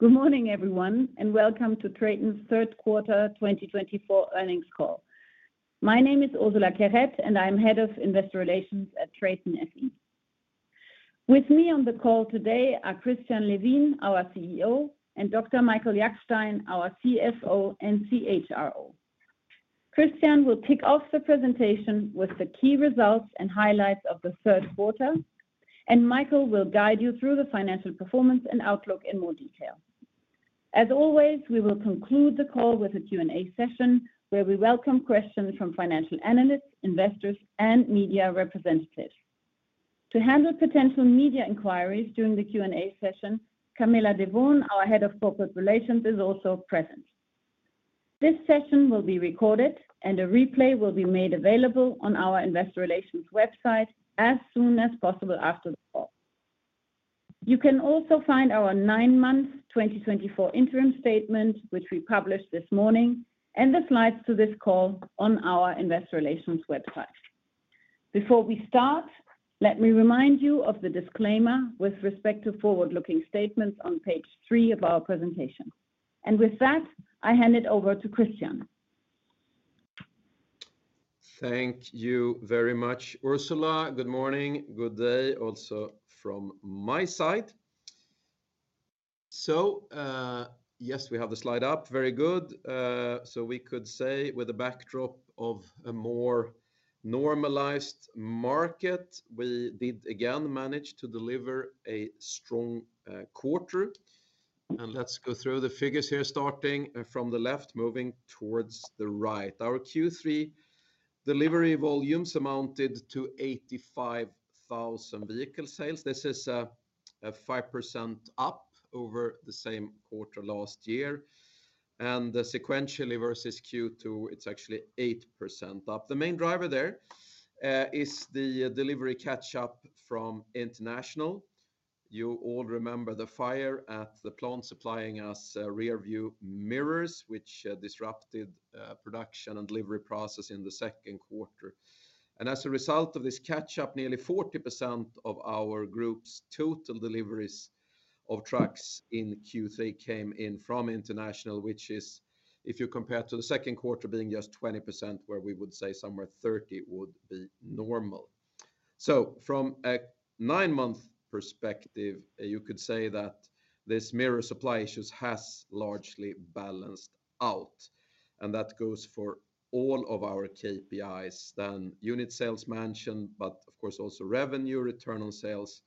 Good morning, everyone, and welcome to TRATON's third quarter twenty twenty-four earnings call. My name is Ursula Querette, and I'm Head of Investor Relations at TRATON SE. With me on the call today are Christian Levin, our CEO, and Dr. Michael Jackstein, our CFO and CHRO. Christian will kick off the presentation with the key results and highlights of the third quarter, and Michael will guide you through the financial performance and outlook in more detail. As always, we will conclude the call with a Q&A session, where we welcome questions from financial analysts, investors, and media representatives. To handle potential media inquiries during the Q&A session, Camilla Dewoon, our Head of Corporate Relations, is also present. This session will be recorded, and a replay will be made available on our investor relations website as soon as possible after the call. You can also find our nine-month 2024 interim statement, which we published this morning, and the slides to this call on our investor relations website. Before we start, let me remind you of the disclaimer with respect to forward-looking statements on page three of our presentation. And with that, I hand it over to Christian. Thank you very much, Ursula. Good morning, good day, also from my side. So, yes, we have the slide up, very good. So we could say with a backdrop of a more normalized market, we did again manage to deliver a strong quarter. And let's go through the figures here, starting from the left, moving towards the right. Our Q3 delivery volumes amounted to 85,000 vehicle sales. This is a 5% up over the same quarter last year, and sequentially versus Q2, it's actually 8% up. The main driver there is the delivery catch-up from International. You all remember the fire at the plant supplying us rearview mirrors, which disrupted production and delivery process in the second quarter. As a result of this catch-up, nearly 40% of our group's total deliveries of trucks in Q3 came in from International, which is, if you compare to the second quarter, being just 20%, where we would say somewhere 30% would be normal. So from a nine-month perspective, you could say that this mere supply issues has largely balanced out, and that goes for all of our KPIs, then unit sales mentioned, but of course, also revenue, return on sales,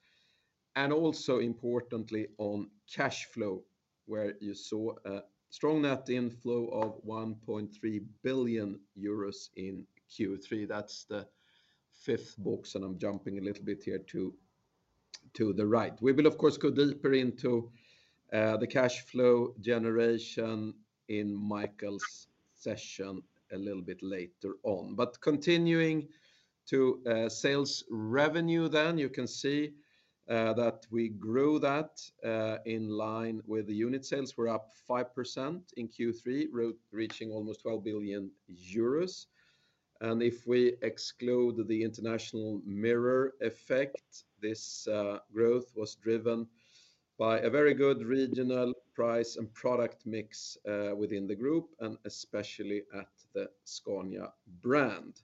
and also importantly, on cash flow, where you saw a strong net inflow of 1.3 billion euros in Q3. That's the fifth box, and I'm jumping a little bit here to the right. We will, of course, go deeper into the cash flow generation in Michael's session a little bit later on. But continuing to sales revenue, then you can see that we grew that in line with the unit sales. We're up 5% in Q3, reaching almost 12 billion euros. And if we exclude the International mirror effect, this growth was driven by a very good regional price and product mix within the group and especially at the Scania brand.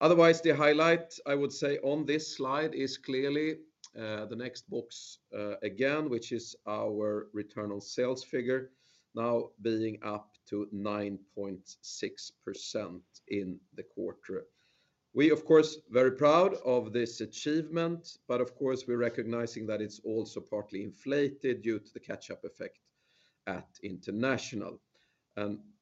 Otherwise, the highlight I would say on this slide is clearly the next box again, which is our return on sales figure, now being up to 9.6% in the quarter. We, of course, very proud of this achievement, but of course, we're recognizing that it's also partly inflated due to the catch-up effect at International.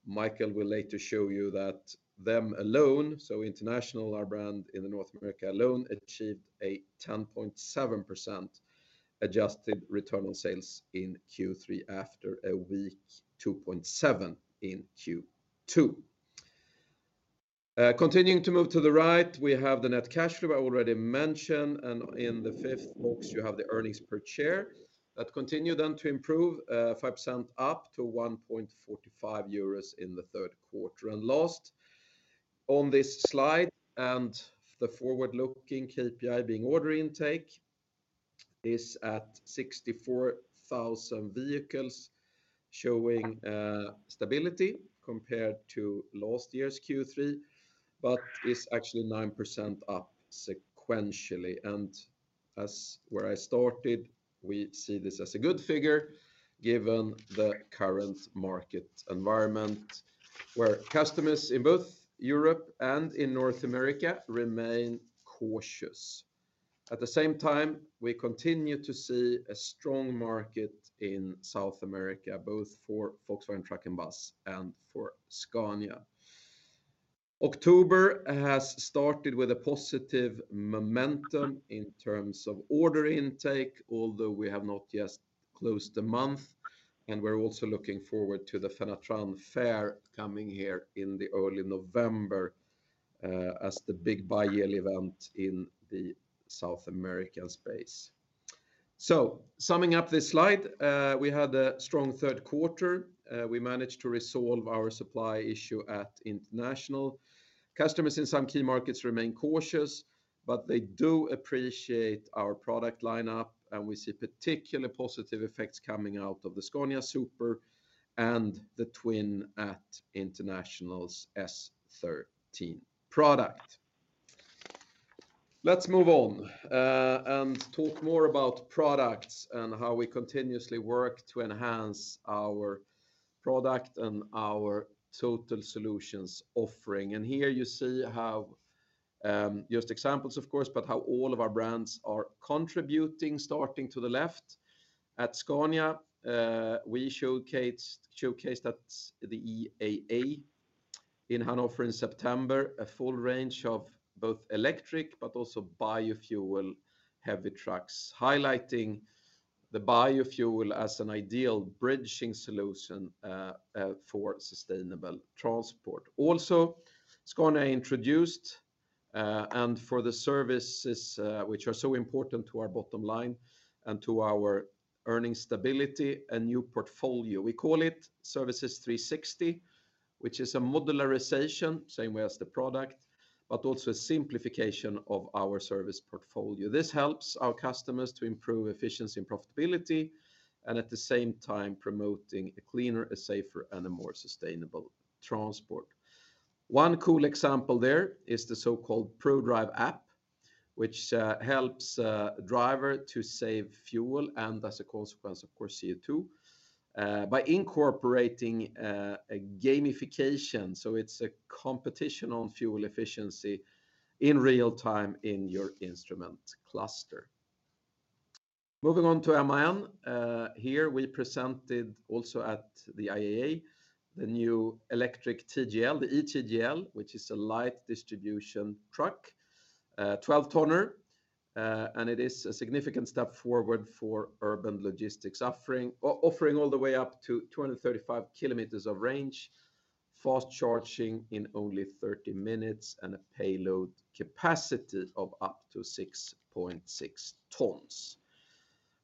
Michael will later show you that to them alone, so International, our brand in North America alone, achieved a 10.7% adjusted return on sales in Q3 after a weak 2.7% in Q2. Continuing to move to the right, we have the net cash flow I already mentioned, and in the fifth box, you have the earnings per share. That continued then to improve, 5% up to 1.45 euros in the third quarter. Last, on this slide, the forward-looking KPI being order intake is at 64,000 vehicles, showing stability compared to last year's Q3, but is actually 9% up sequentially. And as I started, we see this as a good figure, given the current market environment, where customers in both Europe and in North America remain cautious. At the same time, we continue to see a strong market in South America, both for Volkswagen Truck and Bus and for Scania. October has started with a positive momentum in terms of order intake, although we have not yet closed the month, and we're also looking forward to the Fenatran Fair coming here in early November, as the big biennial event in the South American space. So summing up this slide, we had a strong third quarter. We managed to resolve our supply issue at International. Customers in some key markets remain cautious, but they do appreciate our product lineup, and we see particularly positive effects coming out of the Scania Super and the twin at International's S13 product. Let's move on, and talk more about products and how we continuously work to enhance our product and our total solutions offering. Here you see how, just examples, of course, but how all of our brands are contributing, starting to the left. At Scania, we showcased at the IAA in Hanover in September a full range of both electric, but also biofuel heavy trucks, highlighting the biofuel as an ideal bridging solution for sustainable transport. Also, Scania introduced and for the services, which are so important to our bottom line and to our earning stability, a new portfolio. We call it Services 360, which is a modularization, same way as the product, but also a simplification of our service portfolio. This helps our customers to improve efficiency and profitability, and at the same time promoting a cleaner, a safer, and a more sustainable transport. One cool example there is the so-called ProDriver app, which helps a driver to save fuel, and as a consequence, of course, CO2, by incorporating a gamification. So it's a competition on fuel efficiency in real time in your instrument cluster. Moving on to MAN, here we presented also at the IAA, the new electric TGL, the eTGL, which is a light distribution truck, 12-tonner, and it is a significant step forward for urban logistics, offering all the way up to 235 km of range, fast charging in only 30 minutes, and a payload capacity of up to 6.6 tons.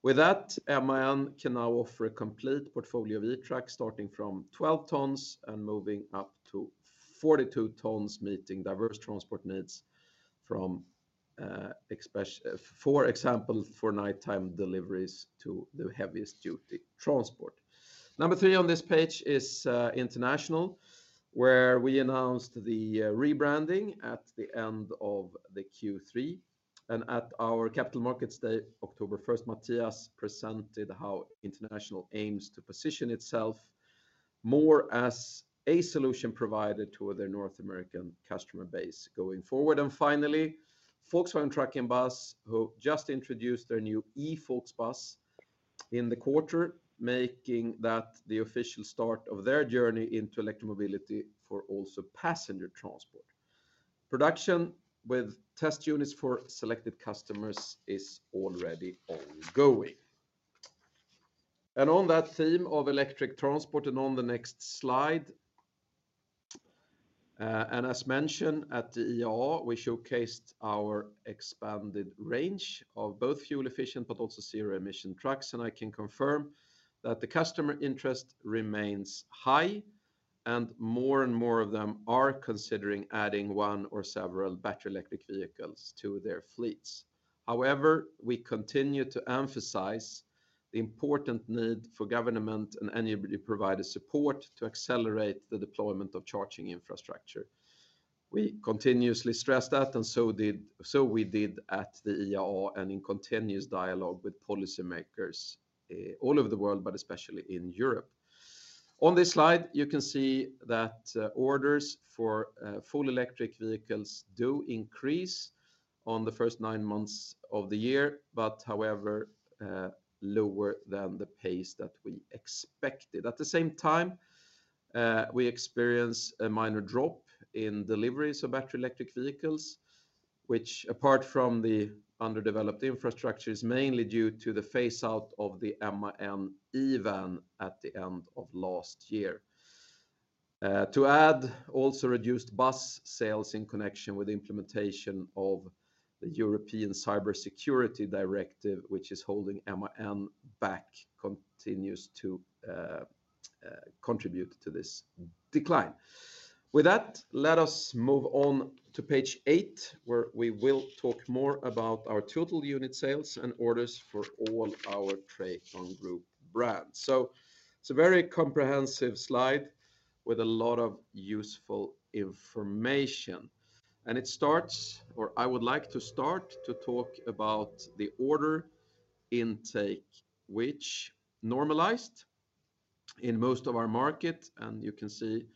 With that, MAN can now offer a complete portfolio of eTrucks, starting from 12 tons and moving up to 42 tons, meeting diverse transport needs from, for example, for nighttime deliveries to the heaviest duty transport. Number three on this page is International, where we announced the rebranding at the end of the Q3. And at our Capital Markets Day, October first, Matthias presented how International aims to position itself more as a solution provider to their North American customer base going forward. And finally, Volkswagen Truck and Bus, who just introduced their new e-Volksbus in the quarter, making that the official start of their journey into electric mobility for also passenger transport. Production with test units for selected customers is already ongoing. And on that theme of electric transport, and on the next slide, and as mentioned, at the IAA, we showcased our expanded range of both fuel efficient but also zero-emission trucks. And I can confirm that the customer interest remains high, and more and more of them are considering adding one or several battery electric vehicles to their fleets. However, we continue to emphasize the important need for government and anybody providing support to accelerate the deployment of charging infrastructure. We continuously stress that, and so we did at the IAA and in continuous dialogue with policymakers, all over the world, but especially in Europe. On this slide, you can see that orders for full electric vehicles do increase on the first nine months of the year, but however, lower than the pace that we expected. At the same time, we experience a minor drop in deliveries of battery electric vehicles, which, apart from the underdeveloped infrastructure, is mainly due to the phase out of the MAN eVan at the end of last year. To add, also reduced bus sales in connection with the implementation of the European Cybersecurity Directive, which is holding MAN back, continues to contribute to this decline. With that, let us move on to page eight, where we will talk more about our total unit sales and orders for all our TRATON Group brands. It's a very comprehensive slide with a lot of useful information, and it starts, or I would like to start to talk about the order intake, which normalized in most of our market, and you can see,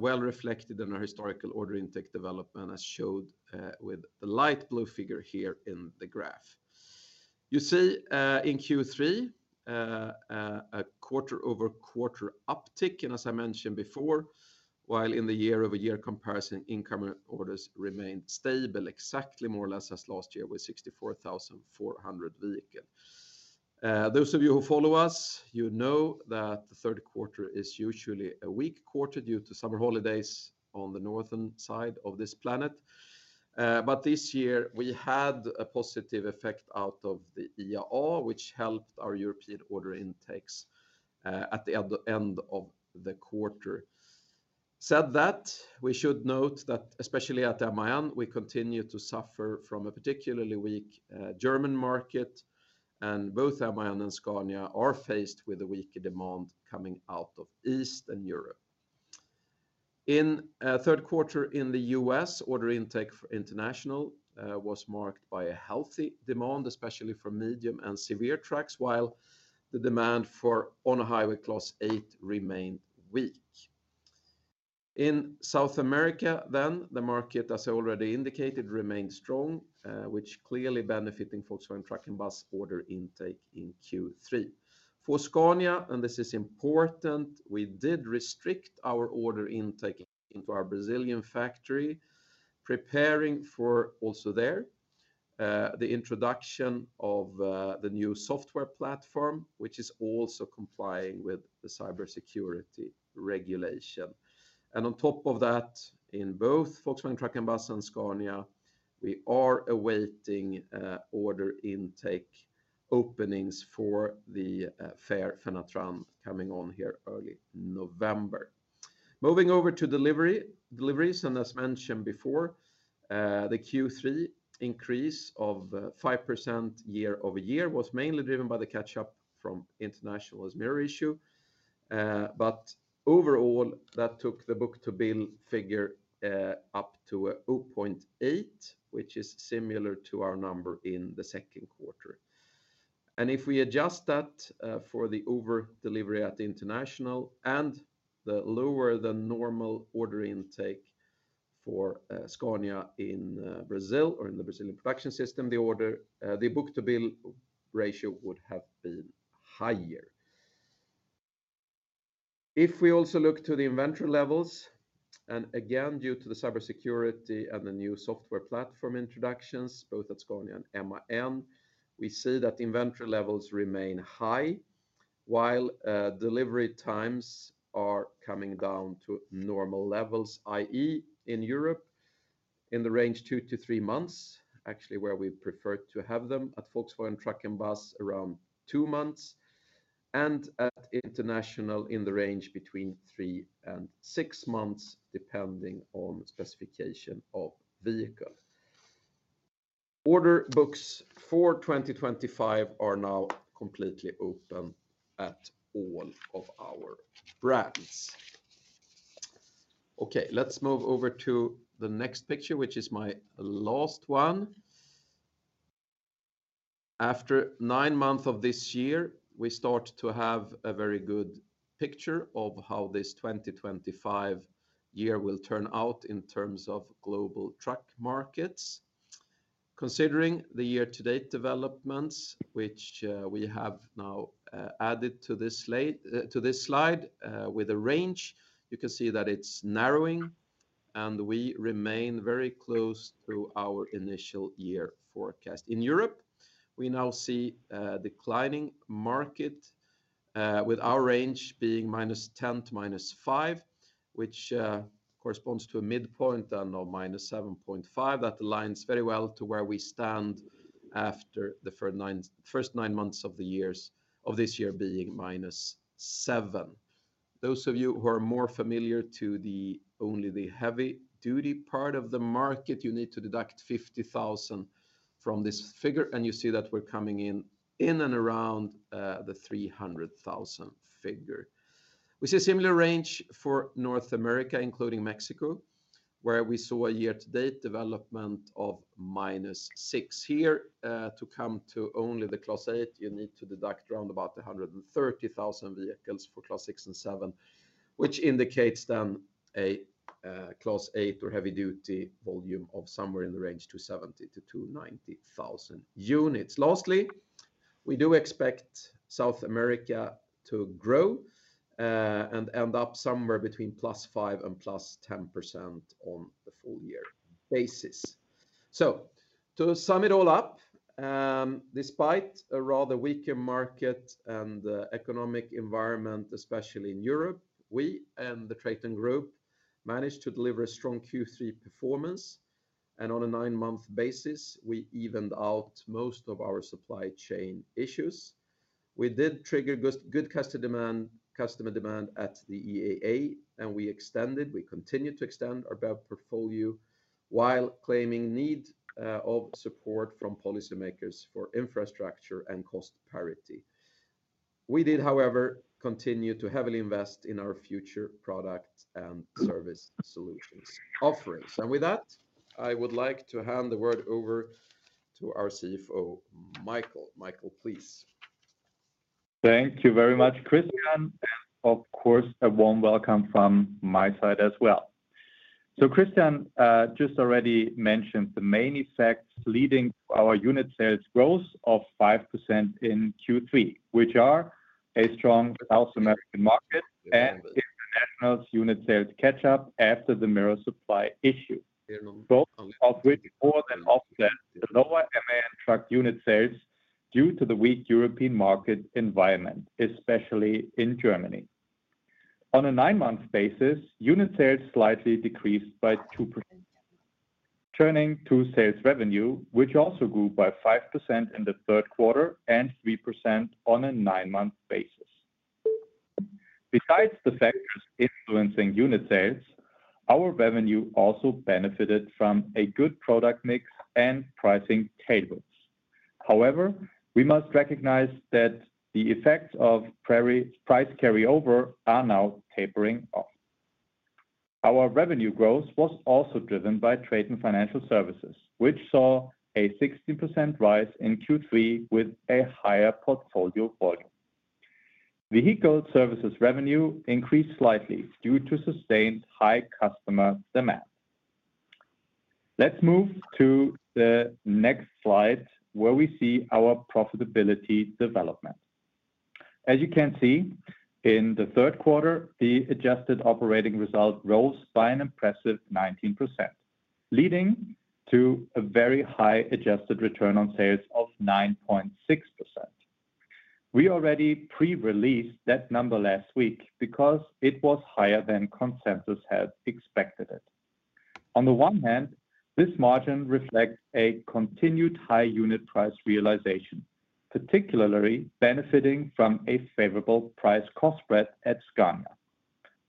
well reflected in our historical order intake development, as shown, with the light blue figure here in the graph. You see, in Q3, a quarter-over-quarter uptick, and as I mentioned before, while in the year-over-year comparison, incoming orders remained stable, exactly more or less as last year, with 64,400 vehicles. Those of you who follow us, you know that the third quarter is usually a weak quarter due to summer holidays on the northern side of this planet. But this year, we had a positive effect out of the IAA, which helped our European order intakes at the end of the quarter. That said, we should note that, especially at MAN, we continue to suffer from a particularly weak German market, and both MAN and Scania are faced with a weaker demand coming out of Eastern Europe. In third quarter in the U.S., order intake for International was marked by a healthy demand, especially for medium and severe trucks, while the demand for on-highway Class 8 remained weak. In South America, then, the market, as already indicated, remained strong, which clearly benefiting Volkswagen Truck and Bus order intake in Q3. For Scania, and this is important, we did restrict our order intake into our Brazilian factory, preparing for also there, the introduction of, the new software platform, which is also complying with the cybersecurity regulation. And on top of that, in both Volkswagen Truck and Bus and Scania, we are awaiting, order intake openings for the, fair Fenatran coming on here early November. Moving over to delivery, deliveries, and as mentioned before, the Q3 increase of, 5% year-over-year was mainly driven by the catch-up from International S13 issue. But overall, that took the book-to-bill figure, up to, 0.8, which is similar to our number in the second quarter. If we adjust that for the over-delivery at International and the lower than normal order intake for Scania in Brazil or in the Brazilian production system, the book-to-bill ratio would have been higher. If we also look to the inventory levels, and again, due to the cybersecurity and the new software platform introductions, both at Scania and MAN, we see that inventory levels remain high, while delivery times are coming down to normal levels, i.e., in Europe, in the range two to three months, actually, where we prefer to have them, at Volkswagen Truck and Bus, around two months, and at International, in the range between three and six months, depending on specification of vehicle. Order books for twenty twenty-five are now completely open at all of our brands. Okay, let's move over to the next picture, which is my last one. After nine months of this year, we start to have a very good picture of how this 2025 year will turn out in terms of global truck markets. Considering the year-to-date developments, which we have now added to this slide with a range, you can see that it's narrowing, and we remain very close to our initial year forecast. In Europe, we now see a declining market with our range being minus 10 to minus 5, which corresponds to a midpoint then of minus 7.5. That aligns very well to where we stand after the first nine months of this year being minus 7. Those of you who are more familiar with only the heavy duty part of the market, you need to deduct 50,000 from this figure, and you see that we're coming in and around the 300,000 figure. We see a similar range for North America, including Mexico, where we saw a year-to-date development of minus 6 here. To come to only the Class 8, you need to deduct around about 130,000 vehicles for Class 6 and 7, which indicates then a Class 8 or heavy duty volume of somewhere in the range 270-290 thousand units. Lastly, we do expect South America to grow, and end up somewhere between +5% and +10% on the full-year basis. To sum it all up, despite a rather weaker market and economic environment, especially in Europe, we and the Traton Group managed to deliver a strong Q3 performance, and on a nine-month basis, we evened out most of our supply chain issues. We did trigger good customer demand at the IAA, and we continued to extend our BEV portfolio while calling for the need of support from policymakers for infrastructure and cost parity. We did, however, continue to heavily invest in our future product and service solutions offerings. And with that, I would like to hand the word over to our CFO, Michael. Michael, please. Thank you very much, Christian. Of course, a warm welcome from my side as well. So Christian, just already mentioned the main effects leading to our unit sales growth of 5% in Q3, which are a strong South American market and increased International's unit sales catch up after the mirror supply issue, both of which more than offset the lower MAN Truck unit sales due to the weak European market environment, especially in Germany. On a nine-month basis, unit sales slightly decreased by 2%. Turning to sales revenue, which also grew by 5% in the third quarter and 3% on a nine-month basis. Besides the factors influencing unit sales, our revenue also benefited from a good product mix and pricing tailwinds. However, we must recognize that the effects of price carryover are now tapering off. Our revenue growth was also driven by TRATON Financial Services, which saw a 60% rise in Q3 with a higher portfolio volume. Vehicle services revenue increased slightly due to sustained high customer demand. Let's move to the next slide, where we see our profitability development. As you can see, in the third quarter, the adjusted operating result rose by an impressive 19%, leading to a very high adjusted return on sales of 9.6%. We already pre-released that number last week because it was higher than consensus had expected it. On the one hand, this margin reflects a continued high unit price realization, particularly benefiting from a favorable price cost spread at Scania.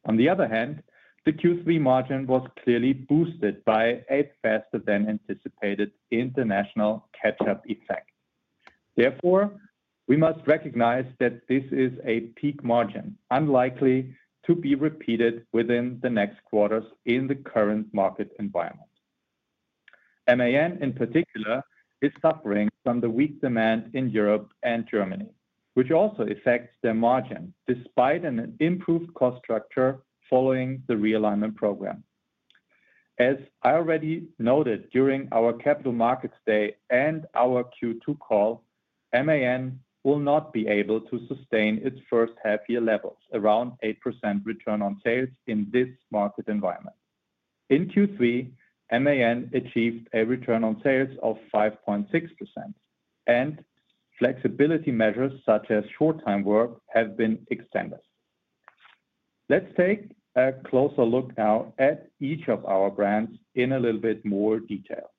On the other hand, the Q3 margin was clearly boosted by a faster than anticipated International catch-up effect. Therefore, we must recognize that this is a peak margin, unlikely to be repeated within the next quarters in the current market environment. MAN, in particular, is suffering from the weak demand in Europe and Germany, which also affects their margin, despite an improved cost structure following the realignment program. As I already noted during our Capital Markets Day and our Q2 call, MAN will not be able to sustain its first half-year levels, around 8% return on sales in this market environment. In Q3, MAN achieved a return on sales of 5.6%, and flexibility measures such as short-time work have been extended. Let's take a closer look now at each of our brands in a little bit more detail.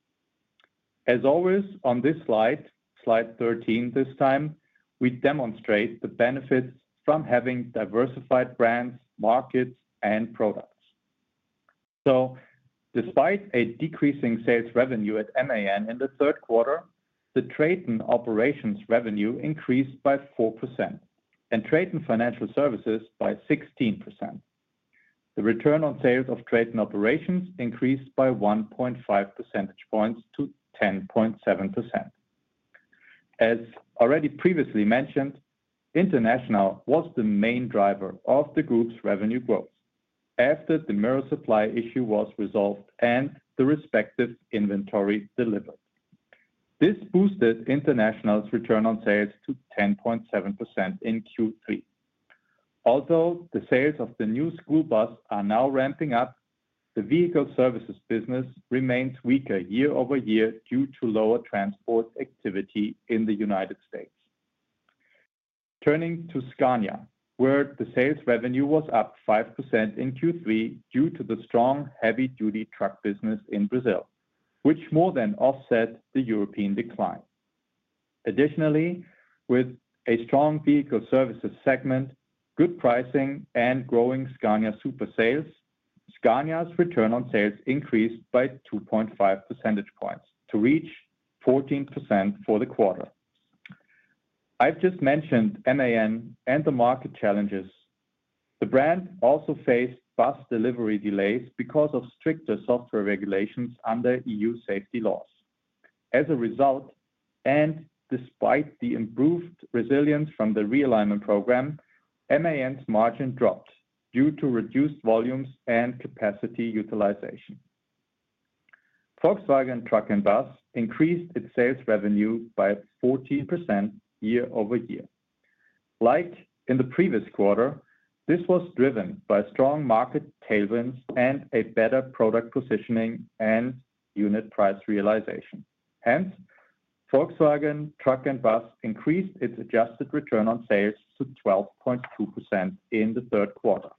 As always, on this slide, slide 13 this time, we demonstrate the benefits from having diversified brands, markets, and products. Despite a decreasing sales revenue at MAN in the third quarter, the Truck & Operations revenue increased by 4% and Financial Services by 16%. The return on sales of Truck & Operations increased by 1.5 percentage points to 10.7%. As already previously mentioned, International was the main driver of the group's revenue growth after the mirror supply issue was resolved and the respective inventory delivered. This boosted International's return on sales to 10.7% in Q3. Although the sales of the new school bus are now ramping up, the vehicle services business remains weaker year over year due to lower transport activity in the United States. Turning to Scania, where the sales revenue was up 5% in Q3 due to the strong heavy-duty truck business in Brazil, which more than offset the European decline. Additionally, with a strong vehicle services segment, good pricing, and growing Scania Super sales, Scania's Return on Sales increased by 2.5 percentage points to reach 14% for the quarter. I've just mentioned MAN and the market challenges. The brand also faced bus delivery delays because of stricter software regulations under EU safety laws. As a result, and despite the improved resilience from the realignment program, MAN's margin dropped due to reduced volumes and capacity utilization. Volkswagen Truck and Bus increased its sales revenue by 14% year over year. Like in the previous quarter, this was driven by strong market tailwinds and a better product positioning and unit price realization. Hence, Volkswagen Truck and Bus increased its adjusted Return on Sales to 12.2% in the third quarter.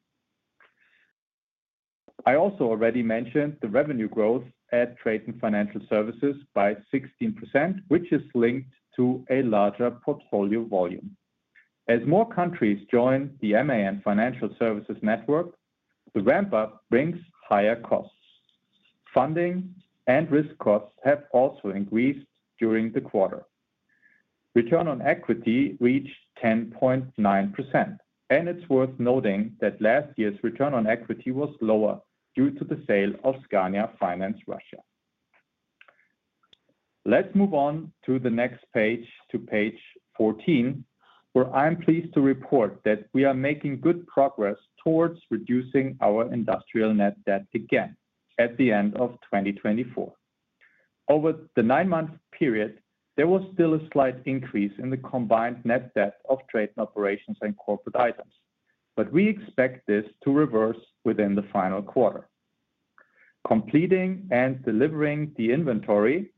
I also already mentioned the revenue growth at TRATON Financial Services by 16%, which is linked to a larger portfolio volume. As more countries join the MAN Financial Services network, the ramp-up brings higher costs. Funding and risk costs have also increased during the quarter. Return on equity reached 10.9%, and it's worth noting that last year's return on equity was lower due to the sale of Scania Finance Russia. Let's move on to the next page, to page 14, where I am pleased to report that we are making good progress towards reducing our industrial net debt again at the end of 2024.... Over the nine-month period, there was still a slight increase in the combined net debt of TRATON Operations and Corporate Items, but we expect this to reverse within the final quarter. Completing and delivering the inventory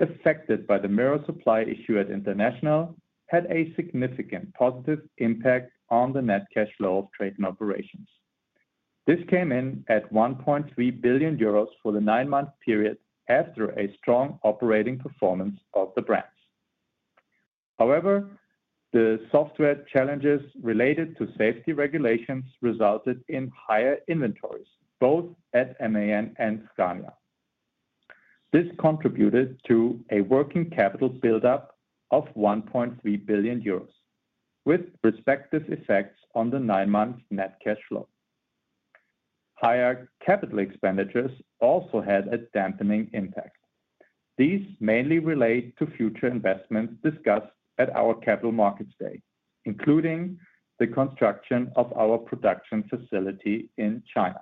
affected by the mirror supply issue at International had a significant positive impact on the net cash flow of Traton Operations. This came in at 1.3 billion euros for the nine-month period, after a strong operating performance of the brands. However, the software challenges related to safety regulations resulted in higher inventories, both at MAN and Scania. This contributed to a working capital buildup of 1.3 billion euros, with respective effects on the nine-month net cash flow. Higher capital expenditures also had a dampening impact. These mainly relate to future investments discussed at our Capital Markets Day, including the construction of our production facility in China.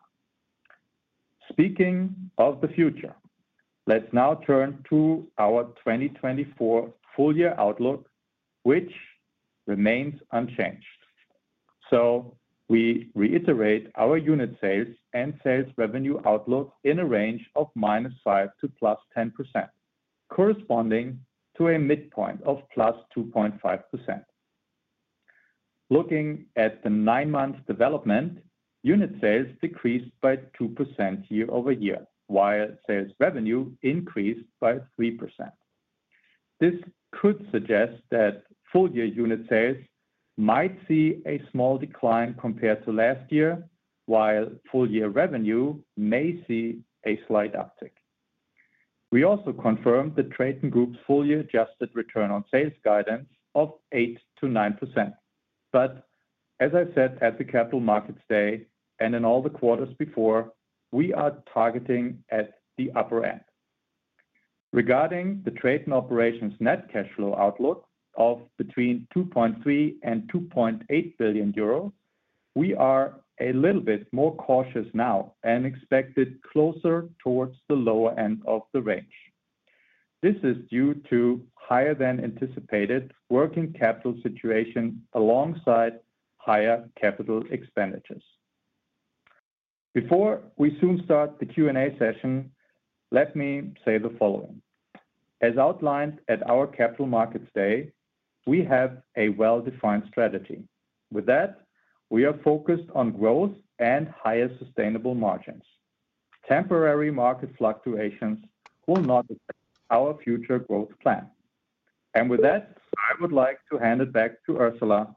Speaking of the future, let's now turn to our 2024 full year outlook, which remains unchanged. So we reiterate our unit sales and sales revenue outlook in a range of minus 5% to plus 10%, corresponding to a midpoint of plus 2.5%. Looking at the nine-month development, unit sales decreased by 2% year over year, while sales revenue increased by 3%. This could suggest that full year unit sales might see a small decline compared to last year, while full year revenue may see a slight uptick. We also confirmed the Traton Group's full year adjusted return on sales guidance of 8%-9%. But as I said at the Capital Markets Day, and in all the quarters before, we are targeting at the upper end. Regarding the Traton Operations net cash flow outlook of between 2.3 billion and 2.8 billion euro, we are a little bit more cautious now, and expect it closer towards the lower end of the range. This is due to higher than anticipated working capital situation, alongside higher capital expenditures. Before we soon start the Q&A session, let me say the following: As outlined at our Capital Markets Day, we have a well-defined strategy. With that, we are focused on growth and higher sustainable margins. Temporary market fluctuations will not affect our future growth plan. And with that, I would like to hand it back to Ursula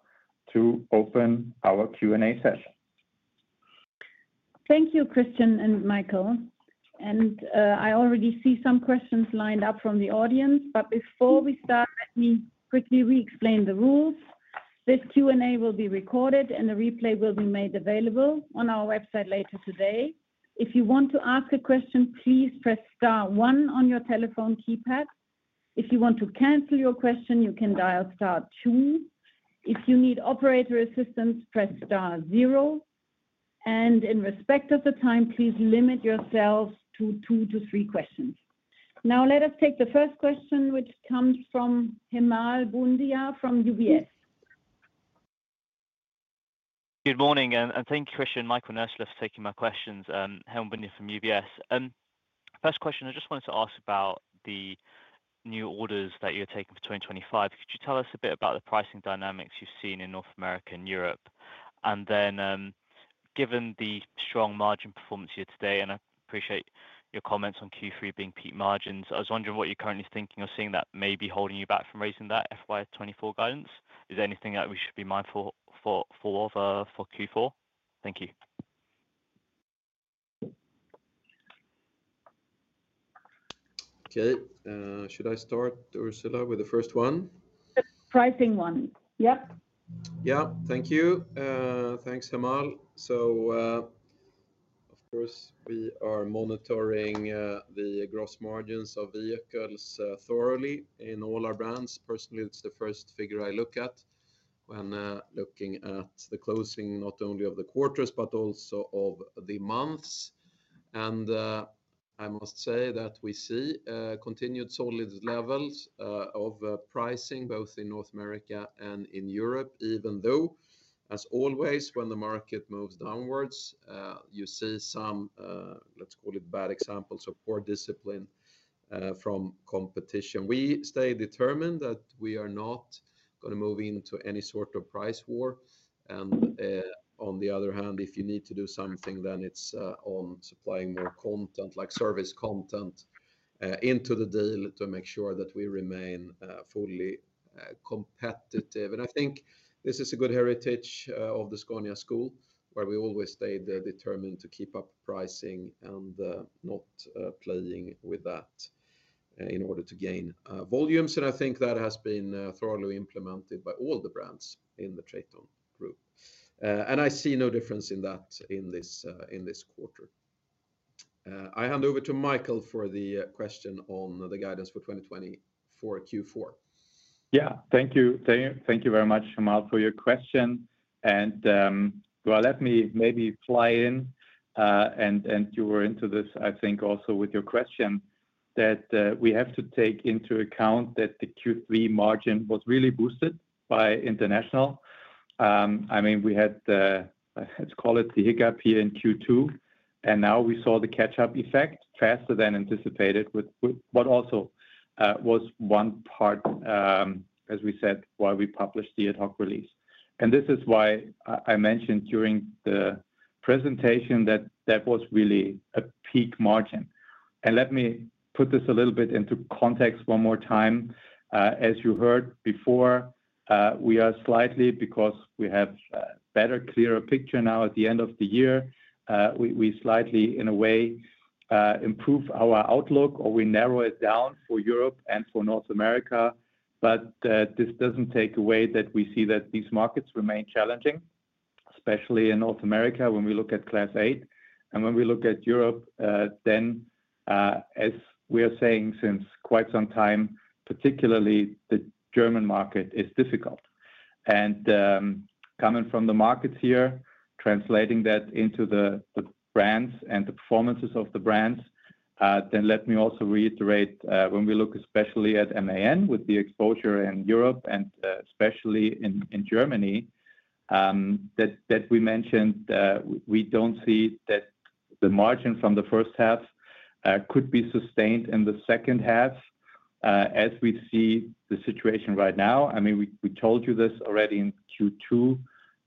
to open our Q&A session. Thank you, Christian and Michael. And I already see some questions lined up from the audience, but before we start, let me quickly re-explain the rules. This Q&A will be recorded, and a replay will be made available on our website later today. If you want to ask a question, please press star one on your telephone keypad. If you want to cancel your question, you can dial star two. If you need operator assistance, press star zero, and in respect of the time, please limit yourselves to two to three questions. Now, let us take the first question, which comes from Hemal Bhundia, from UBS. Good morning, and thank you, Christian, Michael, and Ursula, for taking my questions. Hemal Bhundia from UBS. First question, I just wanted to ask about the new orders that you're taking for 2025. Could you tell us a bit about the pricing dynamics you've seen in North America and Europe? And then, given the strong margin performance here today, and I appreciate your comments on Q3 being peak margins, I was wondering what you're currently thinking or seeing that may be holding you back from raising that FY 2024 guidance. Is there anything that we should be mindful for Q4? Thank you. Okay, should I start, Ursula, with the first one? The pricing one. Yep. Yeah. Thank you. Thanks, Hemal. So, of course, we are monitoring the gross margins of vehicles thoroughly in all our brands. Personally, it's the first figure I look at when looking at the closing, not only of the quarters, but also of the months. And, I must say that we see continued solid levels of pricing, both in North America and in Europe, even though, as always, when the market moves downwards, you see some, let's call it bad examples of poor discipline from competition. We stay determined that we are not gonna move into any sort of price war. And, on the other hand, if you need to do something, then it's on supplying more content, like service content, into the deal to make sure that we remain fully competitive. And I think this is a good heritage of the Scania school, where we always stayed determined to keep up pricing and not playing with that in order to gain volumes. And I think that has been thoroughly implemented by all the brands in the Traton Group. And I see no difference in that in this quarter. I hand over to Michael for the question on the guidance for twenty twenty-four Q4.... Yeah, thank you. Thank you very much, Hemal, for your question. And, well, let me maybe fly in, and you were into this, I think, also with your question, that we have to take into account that the Q3 margin was really boosted by International. I mean, we had the, let's call it, the hiccup here in Q2, and now we saw the catch-up effect faster than anticipated, with what also was one part, as we said, why we published the ad hoc release. And this is why I mentioned during the presentation that that was really a peak margin. And let me put this a little bit into context one more time. As you heard before, we are slightly, because we have, better, clearer picture now at the end of the year, we slightly, in a way, improve our outlook, or we narrow it down for Europe and for North America. But this doesn't take away that we see that these markets remain challenging, especially in North America when we look at Class 8. And when we look at Europe, then, as we are saying since quite some time, particularly the German market, is difficult. Coming from the markets here, translating that into the brands and the performances of the brands, then let me also reiterate, when we look especially at MAN with the exposure in Europe and, especially in Germany, that we mentioned, we don't see that the margin from the first half could be sustained in the second half. As we see the situation right now, I mean, we told you this already in Q2,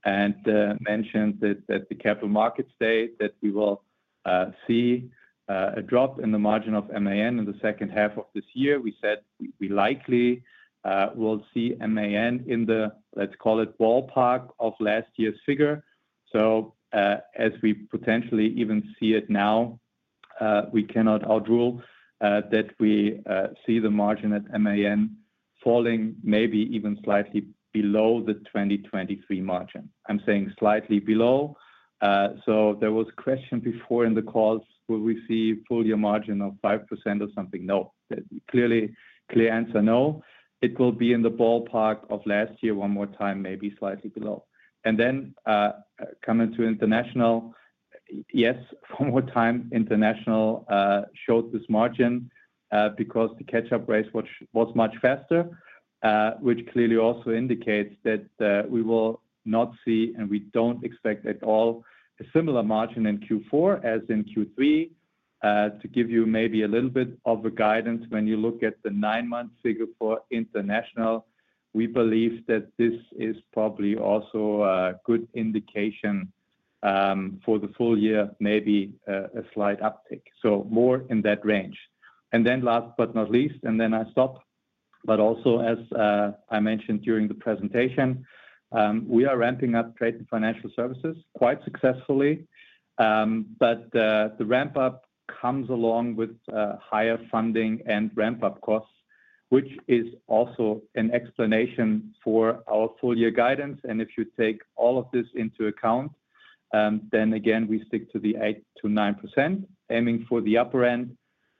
and, mentioned that the Capital Markets Day that we will see a drop in the margin of MAN in the second half of this year. We said we likely will see MAN in the, let's call it, ballpark of last year's figure. So, as we potentially even see it now, we cannot rule out that we see the margin at MAN falling maybe even slightly below the 2023 margin. I'm saying slightly below. So there was a question before in the calls, will we see full year margin of 5% or something? No. Clearly, clear answer, no. It will be in the ballpark of last year, one more time, maybe slightly below. And then, coming to International, yes, one more time, International showed this margin because the catch-up race was much faster. Which clearly also indicates that we will not see, and we don't expect at all, a similar margin in Q4 as in Q3. To give you maybe a little bit of a guidance, when you look at the nine-month figure for International, we believe that this is probably also a good indication for the full year, maybe a slight uptick, so more in that range. And then last but not least, and then I stop, but also as I mentioned during the presentation, we are ramping up TRATON Financial Services quite successfully. But the ramp-up comes along with higher funding and ramp-up costs, which is also an explanation for our full-year guidance. And if you take all of this into account, then again, we stick to the 8%-9%, aiming for the upper end.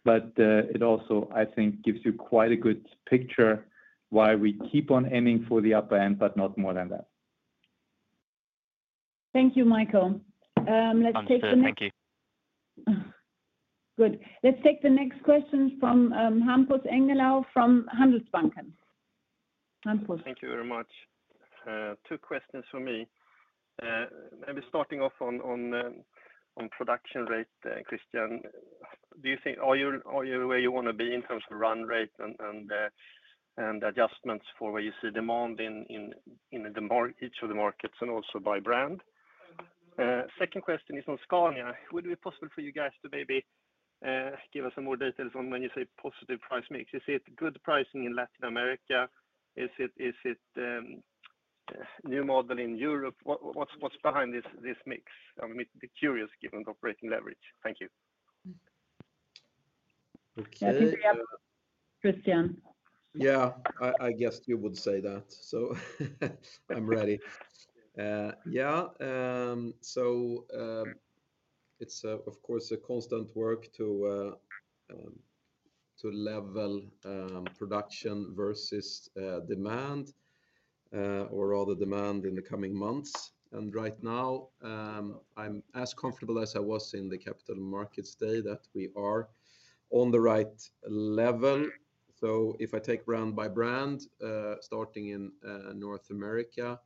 But it also, I think, gives you quite a good picture why we keep on aiming for the upper end, but not more than that. Thank you, Michael. Let's take the next- Thank you. Good. Let's take the next question from Hampus Engellau, from Handelsbanken. Hampus? Thank you very much. Two questions for me. Maybe starting off on production rate, Christian, do you think... Are you where you want to be in terms of run rate and adjustments for where you see demand in each of the markets and also by brand? Second question is on Scania. Would it be possible for you guys to maybe give us some more details on when you say positive price mix? Is it good pricing in Latin America? Is it new model in Europe? What's behind this mix? I'm curious, given the operating leverage. Thank you. Okay. Christian. Yeah, I guessed you would say that, so I'm ready. Yeah, so it's, of course, a constant work to level production versus demand, or rather demand in the coming months. And right now, I'm as comfortable as I was in the capital markets day, that we are on the right level. So if I take brand by brand, starting in North America,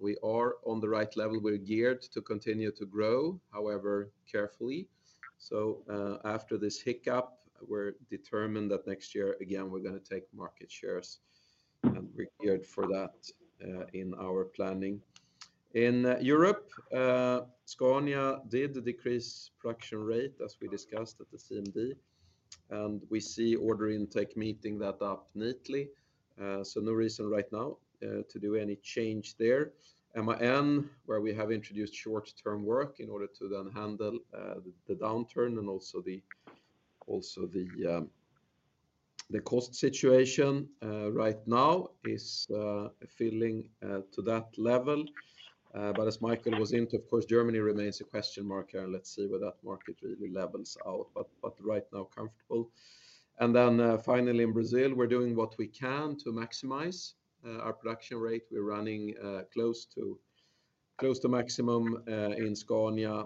we are on the right level. We're geared to continue to grow, however, carefully. So after this hiccup, we're determined that next year, again, we're gonna take market shares, and we're geared for that in our planning. In Europe, Scania did decrease production rate, as we discussed at the CMD, and we see order intake meeting that up neatly. So no reason right now to do any change there. MAN, where we have introduced short-term work in order to then handle the downturn and also the cost situation right now is filling to that level. But as Michael was saying, of course, Germany remains a question mark, and let's see where that market really levels out, but right now, comfortable. And then finally in Brazil, we're doing what we can to maximize our production rate. We're running close to maximum in Scania.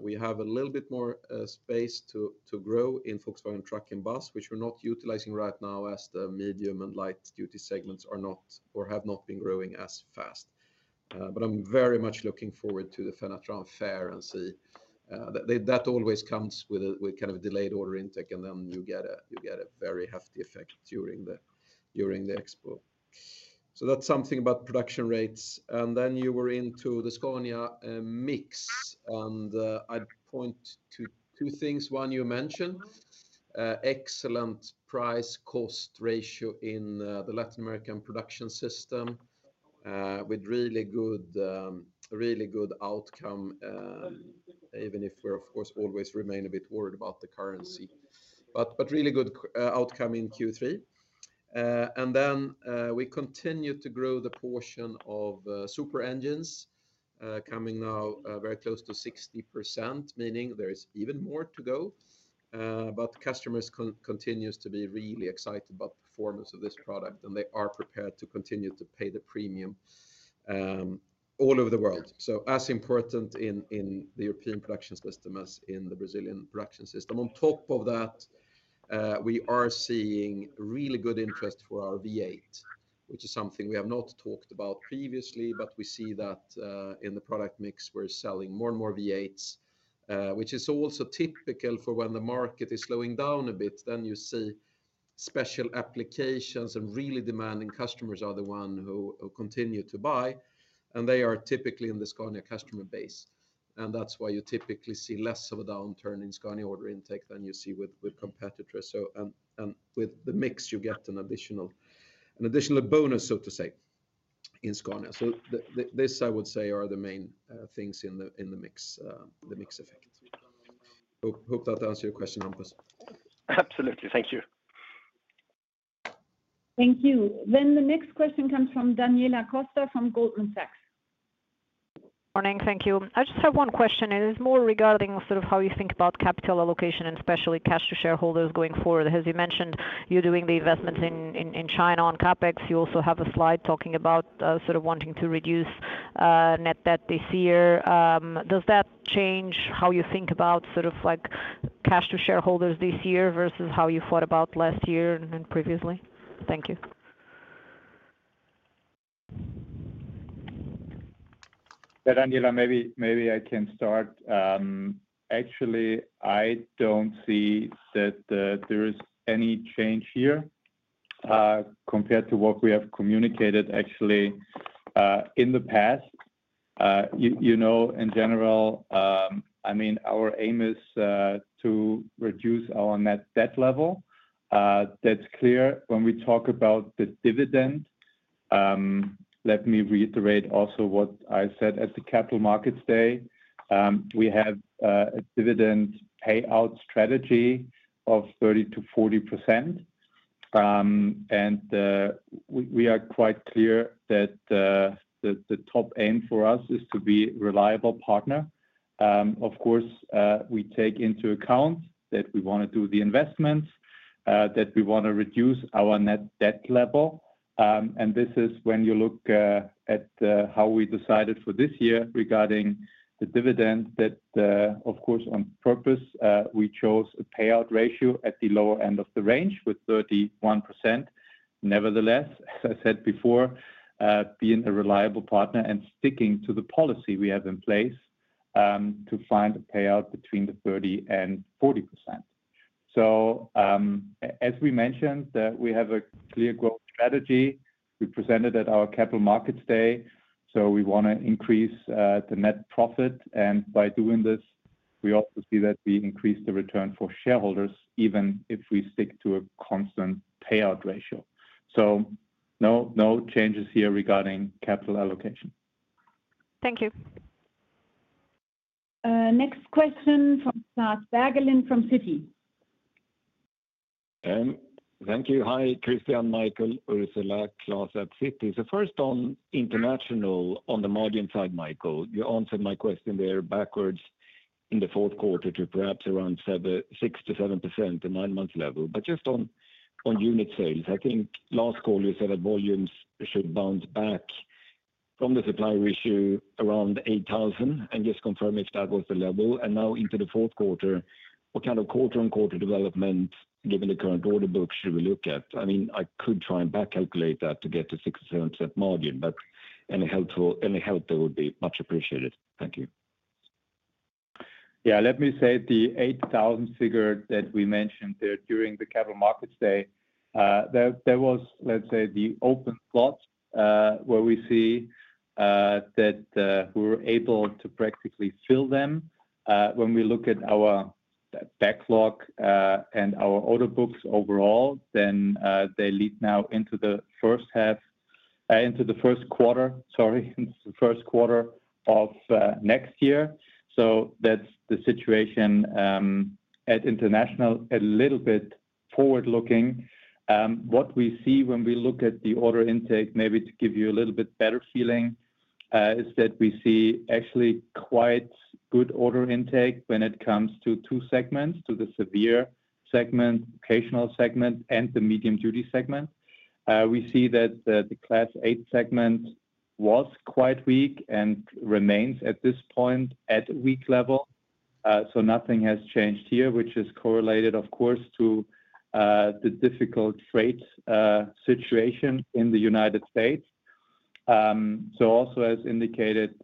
We have a little bit more space to grow in Volkswagen Truck and Bus, which we're not utilizing right now as the medium and light-duty segments are not or have not been growing as fast. But I'm very much looking forward to the Fenatran Fair and see that they always comes with a kind of a delayed order intake, and then you get a very hefty effect during the expo. That's something about production rates. Then you were into the Scania mix, and I'd point to two things. One, you mentioned excellent price cost ratio in the Latin American production system with really good outcome even if we're, of course, always remain a bit worried about the currency. But really good outcome in Q3. And then we continue to grow the portion of super engines coming now very close to 60%, meaning there is even more to go. But customers continue to be really excited about the performance of this product, and they are prepared to continue to pay the premium all over the world, so as important in the European production system as in the Brazilian production system. On top of that, we are seeing really good interest for our V8, which is something we have not talked about previously, but we see that in the product mix. We're selling more and more V8s, which is also typical for when the market is slowing down a bit, then you see special applications and really demanding customers are the ones who continue to buy, and they are typically in the Scania customer base. And that's why you typically see less of a downturn in Scania order intake than you see with competitors. So, and with the mix, you get an additional bonus, so to say, in Scania. So this, I would say, are the main things in the mix, the mix effect. Hope that answers your question, Thomas. Absolutely. Thank you. Thank you. Then the next question comes from Daniela Costa from Goldman Sachs. Morning. Thank you. I just have one question, and it's more regarding sort of how you think about capital allocation and especially cash to shareholders going forward. As you mentioned, you're doing the investments in China on CapEx. You also have a slide talking about sort of wanting to reduce net debt this year. Does that change how you think about sort of like cash to shareholders this year versus how you thought about last year and then previously? Thank you. Yeah, Daniela, maybe, maybe I can start. Actually, I don't see that there is any change here compared to what we have communicated actually in the past. You know, in general, I mean, our aim is to reduce our net debt level. That's clear. When we talk about the dividend, let me reiterate also what I said at the Capital Markets Day. We have a dividend payout strategy of 30%-40%, and we are quite clear that the top aim for us is to be reliable partner. Of course, we take into account that we wanna do the investments that we wanna reduce our net debt level. And this is when you look at how we decided for this year regarding the dividend, that of course, on purpose, we chose a payout ratio at the lower end of the range, with 31%. Nevertheless, as I said before, being a reliable partner and sticking to the policy we have in place, to find a payout between 30% and 40%. As we mentioned, we have a clear growth strategy we presented at our Capital Markets Day, so we wanna increase the net profit, and by doing this, we also see that we increase the return for shareholders, even if we stick to a constant payout ratio. No, no changes here regarding capital allocation. Thank you. Next question from Klas Bergelind from Citi. Thank you. Hi, Christian, Michael, Ursula, Klas at Citi. So first, on International, on the margin side, Michael, you answered my question there, back to the fourth quarter to perhaps around 6%-7%, the nine-month level. But just on unit sales, I think last call, you said that volumes should bounce back from the supply issue around 8,000, and just confirm if that was the level. And now into the fourth quarter, what kind of quarter on quarter development, given the current order book, should we look at? I mean, I could try and back calculate that to get to 6%-7% margin, but any help there would be much appreciated. Thank you. Yeah, let me say the 8,000 figure that we mentioned there during the Capital Markets Day, there was, let's say, the open slots, where we see that we were able to practically fill them. When we look at our backlog and our order books overall, then they lead now into the first half, into the first quarter, sorry, into the first quarter of next year. So that's the situation at International. A little bit forward-looking, what we see when we look at the order intake, maybe to give you a little bit better feeling, is that we see actually quite good order intake when it comes to two segments, to the severe-duty segment, vocational segment, and the medium-duty segment. We see that the Class 8 segment was quite weak and remains at this point at weak level. So nothing has changed here, which is correlated, of course, to the difficult freight situation in the United States. So also as indicated,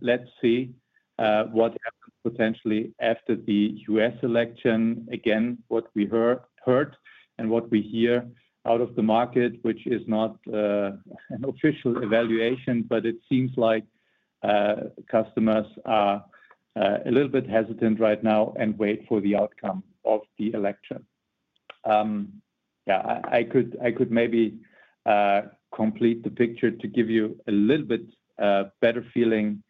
let's see what happens potentially after the U.S. election. Again, what we heard and what we hear out of the market, which is not an official evaluation, but it seems like customers are a little bit hesitant right now and wait for the outcome of the election. Yeah, I could maybe complete the picture to give you a little bit better feeling,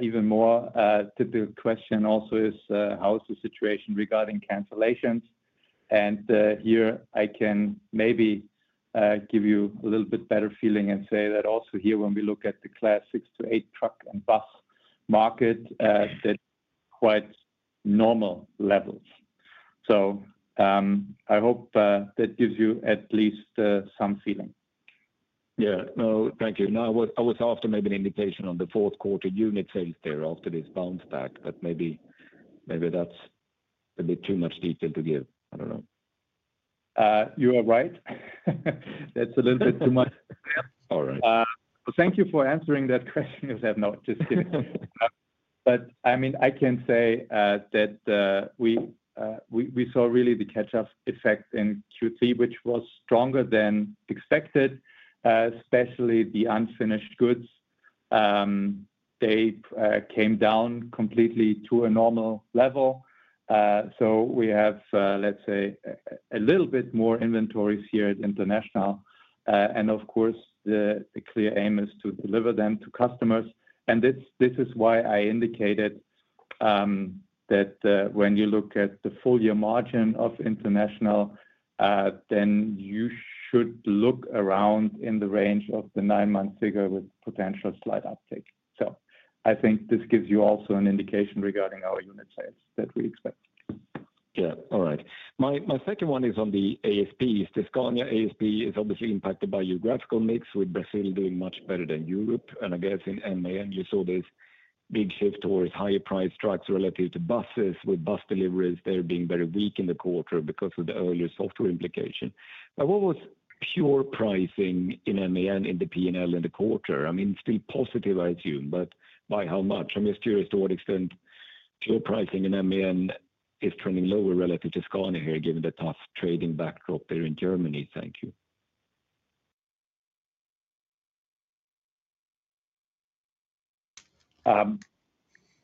even more. The question also is, how is the situation regarding cancellations? Here I can maybe give you a little bit better feeling and say that also here, when we look at the Class 6 to 8 truck and bus market, that quite normal levels. So, I hope that gives you at least some feeling. Yeah. No, thank you. No, I was after maybe an indication on the fourth quarter unit sales there after this bounce back, but maybe that's a bit too much detail to give. I don't know. You are right. That's a little bit too much. All right. Thank you for answering that question. No, just kidding. But, I mean, I can say, that we saw really the catch-up effect in Q3, which was stronger than expected, especially the unfinished goods. They came down completely to a normal level. So we have, let's say, a little bit more inventories here at International. And of course, the clear aim is to deliver them to customers. And this is why I indicated, that when you look at the full year margin of International, then you should look around in the range of the nine-month figure with potential slight uptick. So I think this gives you also an indication regarding our unit sales that we expect. Yeah. All right. My, my second one is on the ASPs. The Scania ASP is obviously impacted by geographical mix, with Brazil doing much better than Europe. And I guess in MAN, you saw this big shift towards higher priced trucks relative to buses, with bus deliveries there being very weak in the quarter because of the earlier software implication. But what was pure pricing in MAN in the PNL in the quarter? I mean, still positive, I assume, but by how much? I'm just curious to what extent pure pricing in MAN is turning lower relative to Scania here, given the tough trading backdrop there in Germany. Thank you.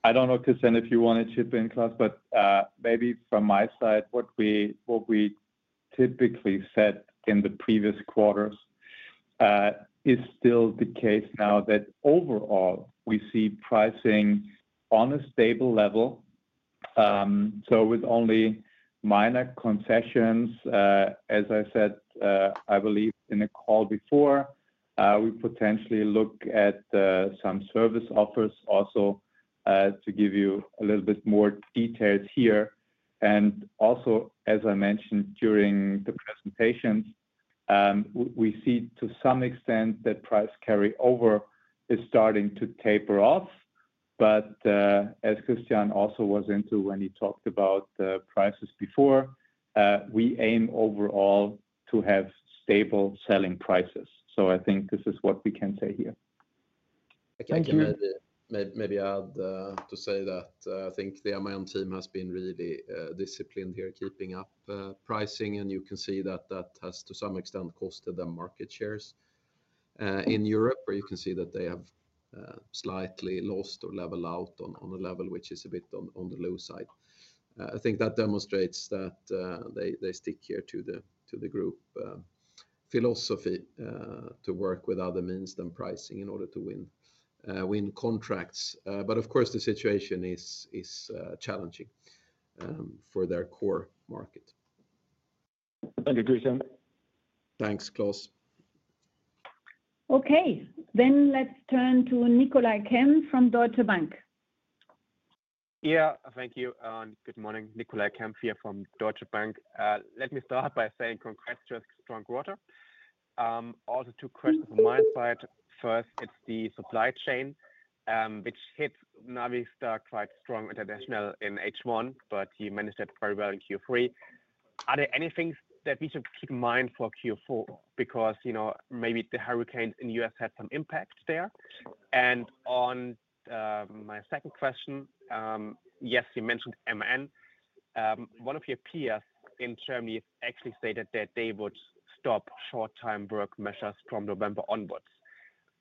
I don't know, Christian, if you want to chip in, Klas, but maybe from my side, what we typically said in the previous quarters is still the case now, that overall, we see pricing on a stable level. So with only minor concessions, as I said, I believe in the call before, we potentially look at some service offers also to give you a little bit more details here. And also, as I mentioned during the presentations, we see to some extent that price carry over is starting to taper off. But as Christian also went into when he talked about prices before, we aim overall to have stable selling prices. So I think this is what we can say here. Thank you. I can maybe add to say that I think the MAN team has been really disciplined here, keeping up pricing, and you can see that that has, to some extent, cost them market shares. In Europe, where you can see that they have slightly lost or level out on a level, which is a bit on the low side. I think that demonstrates that they stick here to the group philosophy to work with other means than pricing in order to win contracts. Of course, the situation is challenging for their core market. Thank you, Christian. Thanks, Klas. Okay, then let's turn to Nicolai Kempf from Deutsche Bank. Yeah. Thank you, and good morning. Nicolai Kempf here from Deutsche Bank. Let me start by saying congrats to a strong quarter. Also two questions on my side. First, it's the supply chain, which hit Navistar quite strong, International in H1, but you managed that very well in Q3. Are there any things that we should keep in mind for Q4? Because, you know, maybe the hurricanes in the U.S. had some impact there. And on, my second question, yes, you mentioned MAN. One of your peers in Germany actually stated that they would stop short-time work measures from November onwards.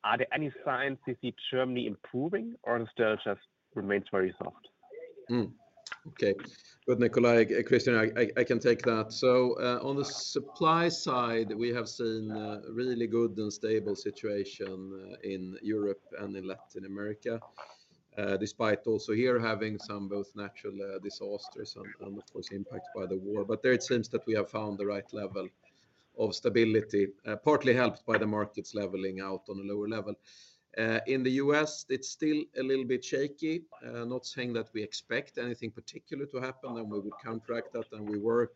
Are there any signs you see Germany improving, or it still just remains very soft? Okay. Well, Nicolai, Christian, I can take that. On the supply side, we have seen a really good and stable situation in Europe and in Latin America, despite also here having some natural disasters and of course impacts by the war. But there it seems that we have found the right level of stability, partly helped by the markets leveling out on a lower level. In the U.S., it's still a little bit shaky. Not saying that we expect anything particular to happen, and we will counteract that, and we work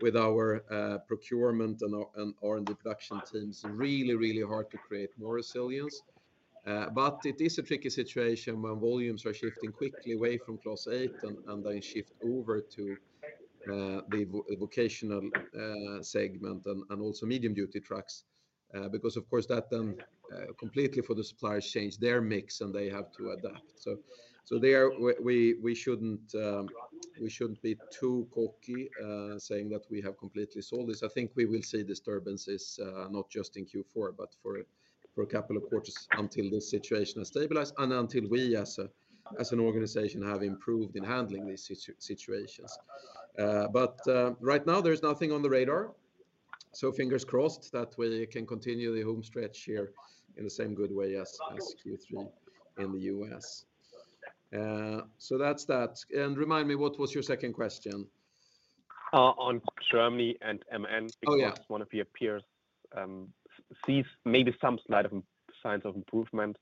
with our procurement and our R&D production teams really, really hard to create more resilience. But it is a tricky situation when volumes are shifting quickly away from Class 8, and then shift over to the vocational segment and also medium-duty trucks. Because of course that then completely for the suppliers change their mix, and they have to adapt. So there we shouldn't be too cocky saying that we have completely solved this. I think we will see disturbances not just in Q4, but for a couple of quarters until this situation has stabilized and until we as an organization have improved in handling these situations. But right now there's nothing on the radar, so fingers crossed that we can continue the home stretch here in the same good way as Q3 in the U.S. So that's that. Remind me, what was your second question? On Germany and MAN- Oh, yeah... because one of your peers sees maybe some slight signs of improvement.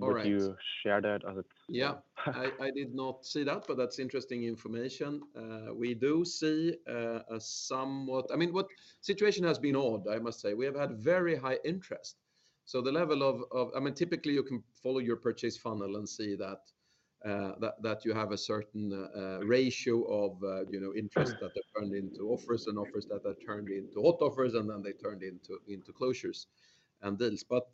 All right. Would you share that, or is it? Yeah. I did not see that, but that's interesting information. We do see a somewhat... I mean, situation has been odd, I must say. We have had very high interest, so the level of I mean, typically you can follow your purchase funnel and see that you have a certain ratio of, you know, interest that are turned into offers and offers that are turned into hot offers, and then they turned into into closures and deals. But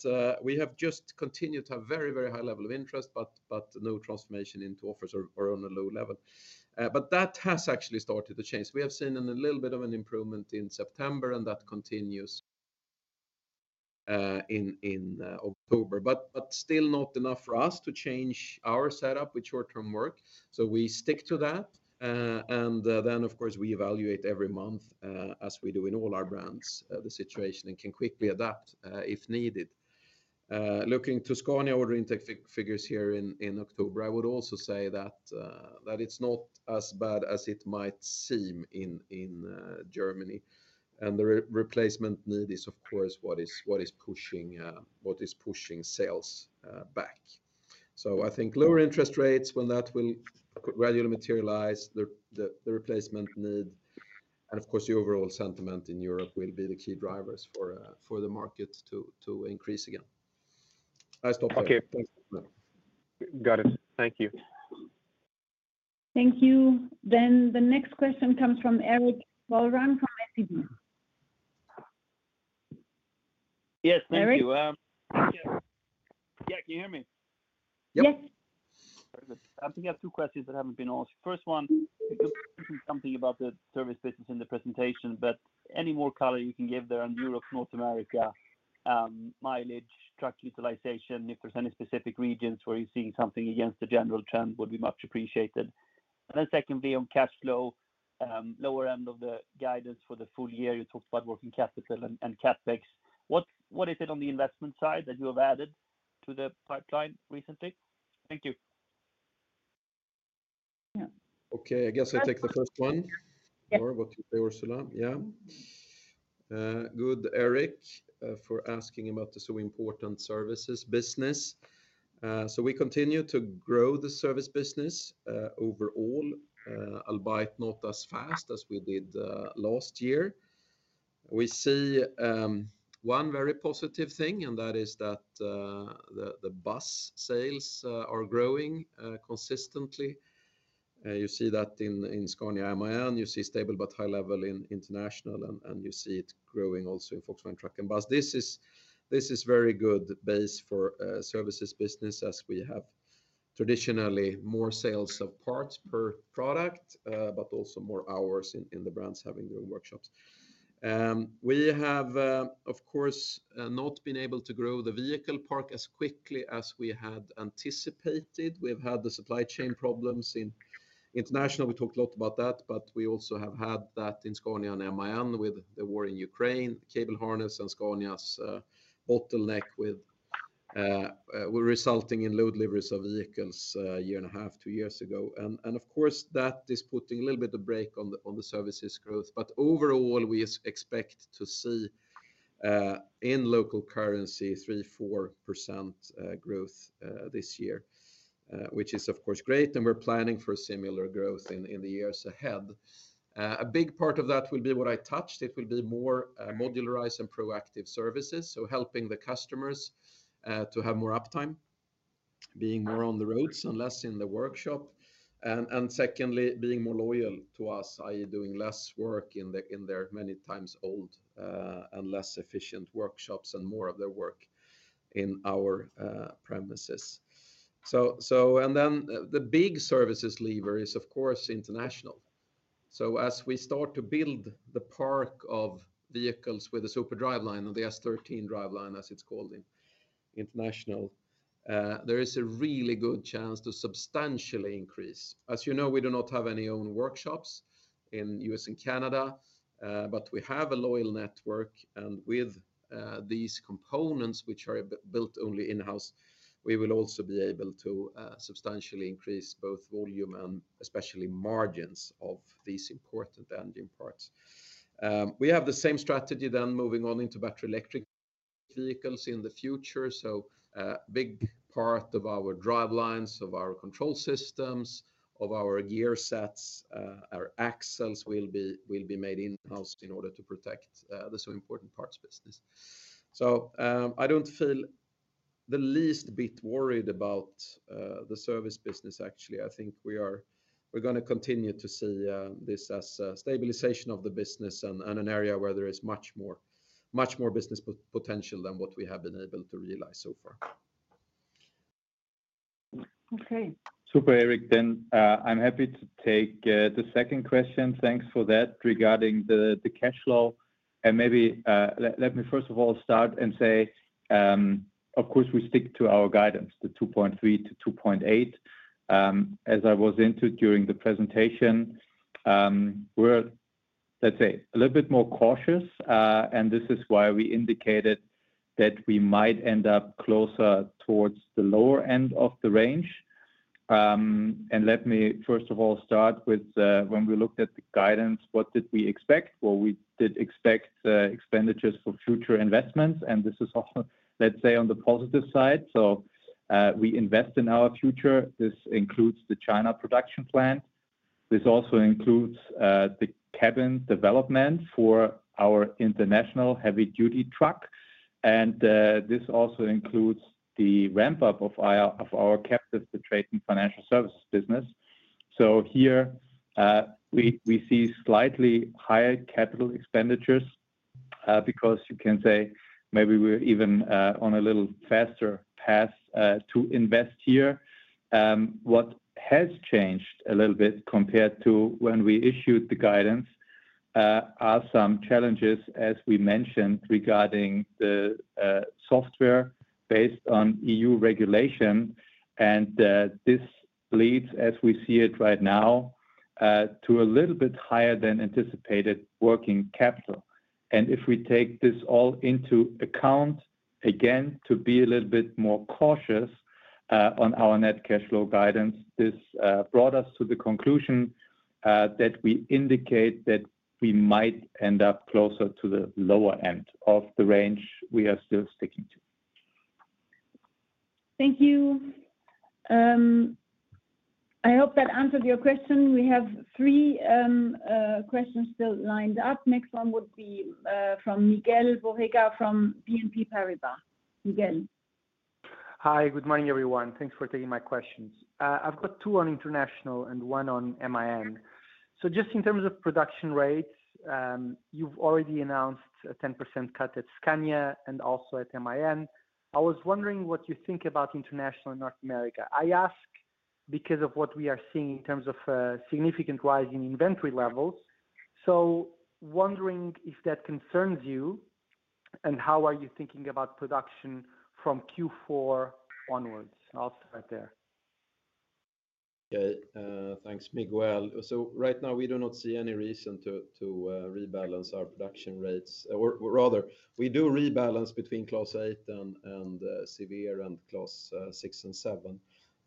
we have just continued to have very, very high level of interest, but no transformation into offers or on a low level. But that has actually started to change. We have seen a little bit of an improvement in September, and that continues in October, but still not enough for us to change our setup with short-term work. So we stick to that, and then, of course, we evaluate every month, as we do in all our brands, the situation, and can quickly adapt, if needed. Looking to Scania order intake figures here in October, I would also say that it's not as bad as it might seem in Germany, and the replacement need is, of course, what is pushing sales back. So I think lower interest rates, when that will gradually materialize, the replacement need, and of course, the overall sentiment in Europe will be the key drivers for the market to increase again. I stop there. Okay. Thanks. Got it. Thank you. Thank you. Then the next question comes from Erik Golrang from SEB. Yes, thank you. Erik? Yeah, can you hear me? Yes. Very good. I think I have two questions that haven't been asked. First one, something about the service business in the presentation, but any more color you can give there on Europe, North America, mileage, truck utilization. If there's any specific regions where you're seeing something against the general trend, would be much appreciated. And then secondly, on cash flow, lower end of the guidance for the full year, you talked about working capital and CapEx. What is it on the investment side that you have added to the pipeline recently? Thank you. Yeah. Okay, I guess I take the first one- Yeah... or what you say, Ursula. Yeah. Good, Erik, for asking about the so important services business. So we continue to grow the service business, overall, albeit not as fast as we did last year. We see one very positive thing, and that is that the bus sales are growing consistently. You see that in Scania and MAN. You see stable but high level in International, and you see it growing also in Volkswagen Truck and Bus. This is very good base for services business, as we have traditionally more sales of parts per product, but also more hours in the brands having their workshops. We have, of course, not been able to grow the vehicle park as quickly as we had anticipated. We've had the supply chain problems in International. We talked a lot about that, but we also have had that in Scania and MAN with the war in Ukraine, cable harness, and Scania's bottleneck with were resulting in low deliveries of vehicles a year and a half, two years ago. And of course, that is putting a little bit of brake on the services growth, but overall, we expect to see in local currency 3-4% growth this year, which is of course great, and we're planning for similar growth in the years ahead. A big part of that will be what I touched. It will be more modularized and proactive services, so helping the customers to have more uptime, being more on the roads and less in the workshop. Secondly, being more loyal to us, i.e., doing less work in their many times old and less efficient workshops and more of their work in our premises. So, and then the big services lever is, of course, International. So as we start to build the park of vehicles with a super driveline or the S13 driveline, as it's called in International, there is a really good chance to substantially increase. As you know, we do not have any own workshops in the U.S. and Canada, but we have a loyal network and with these components, which are built only in-house, we will also be able to substantially increase both volume and especially margins of these important engine parts. We have the same strategy then moving on into battery electric vehicles in the future. So, a big part of our drivelines, of our control systems, of our gear sets, our axles will be made in-house in order to protect the so important parts business. So, I don't feel the least bit worried about the service business, actually. I think we're gonna continue to see this as stabilization of the business and an area where there is much more business potential than what we have been able to realize so far. Okay. Super, Erik, then, I'm happy to take the second question. Thanks for that, regarding the cash flow, and maybe let me first of all start and say, of course, we stick to our guidance, the 2.3-2.8. As I went into during the presentation, we're, let's say, a little bit more cautious. And this is why we indicated that we might end up closer towards the lower end of the range. And let me first of all start with, when we looked at the guidance, what did we expect? Well, we did expect expenditures for future investments, and this is all, let's say, on the positive side. So, we invest in our future. This includes the China production plant. This also includes the cabin development for our International heavy-duty truck, and this also includes the ramp-up of our captive, the TRATON Financial Services business. So here we see slightly higher capital expenditures because you can say maybe we're even on a little faster path to invest here. What has changed a little bit compared to when we issued the guidance are some challenges, as we mentioned, regarding the software based on EU regulation, and this leads, as we see it right now, to a little bit higher than anticipated working capital. And if we take this all into account, again, to be a little bit more cautious on our Net Cash Flow guidance, this brought us to the conclusion that we indicate that we might end up closer to the lower end of the range we are still sticking to. Thank you. I hope that answered your question. We have three questions still lined up. Next one would be from Miguel Borrega, from BNP Paribas. Miguel? Hi, good morning, everyone. Thanks for taking my questions. I've got two on International and one on MAN. So just in terms of production rates, you've already announced a 10% cut at Scania and also at MAN. I was wondering what you think about International and North America. I ask because of what we are seeing in terms of a significant rise in inventory levels. So wondering if that concerns you, and how are you thinking about production from Q4 onwards? I'll stop right there. Okay, thanks, Miguel. So right now, we do not see any reason to rebalance our production rates. Or rather, we do rebalance between Class 8 and 7 and Class 6 and 7.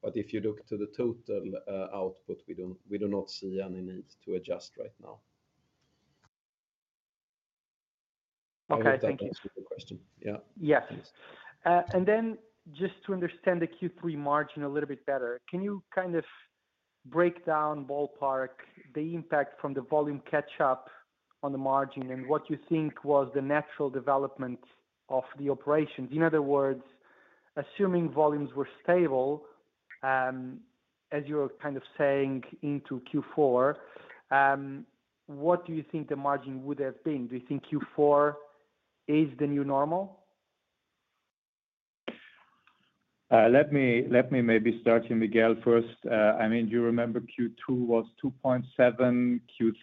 But if you look to the total output, we don't, we do not see any need to adjust right now. Okay, thank you. I hope that answers your question. Yeah. Yeah. Please. And then just to understand the Q3 margin a little bit better, can you kind of break down, ballpark, the impact from the volume catch-up on the margin and what you think was the natural development of the operations? In other words, assuming volumes were stable, as you're kind of saying into Q4, what do you think the margin would have been? Do you think Q4 is the new normal? Let me maybe start you, Miguel, first. I mean, do you remember Q2 was 2.7,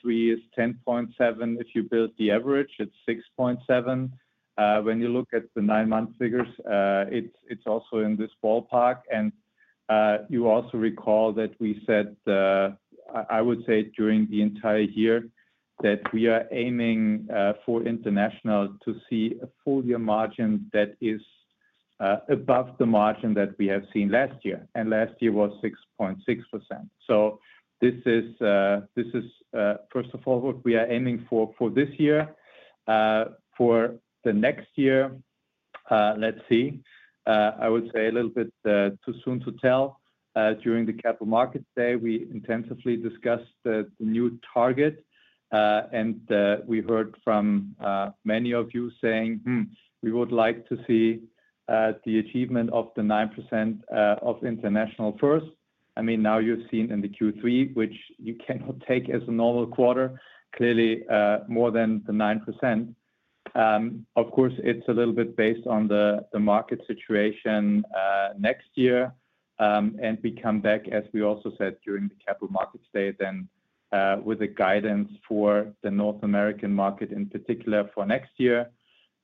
Q3 is 10.7. If you build the average, it's 6.7. When you look at the nine-month figures, it's also in this ballpark. You also recall that we said, I would say during the entire year, that we are aiming for International to see a full year margin that is above the margin that we have seen last year, and last year was 6.6%. So this is first of all, what we are aiming for, for this year. For the next year, let's see. I would say a little bit too soon to tell. During the Capital Markets Day, we intensively discussed the new target, and we heard from many of you saying, "Hmm, we would like to see the achievement of the 9% of International first." I mean, now you've seen in the Q3, which you cannot take as a normal quarter, clearly more than the 9%. Of course, it's a little bit based on the market situation next year, and we come back, as we also said during the Capital Markets Day, then with the guidance for the North American market, in particular, for next year.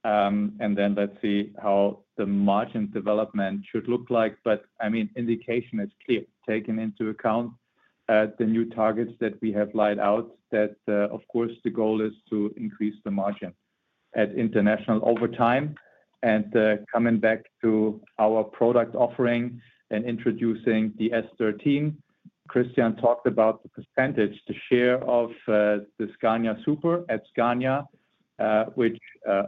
And then let's see how the margin development should look like. But I mean, indication is clear, taking into account... at the new targets that we have laid out, that, of course, the goal is to increase the margin at International over time. And, coming back to our product offering and introducing the S13, Christian talked about the percentage, the share of, the Scania Super at Scania, which,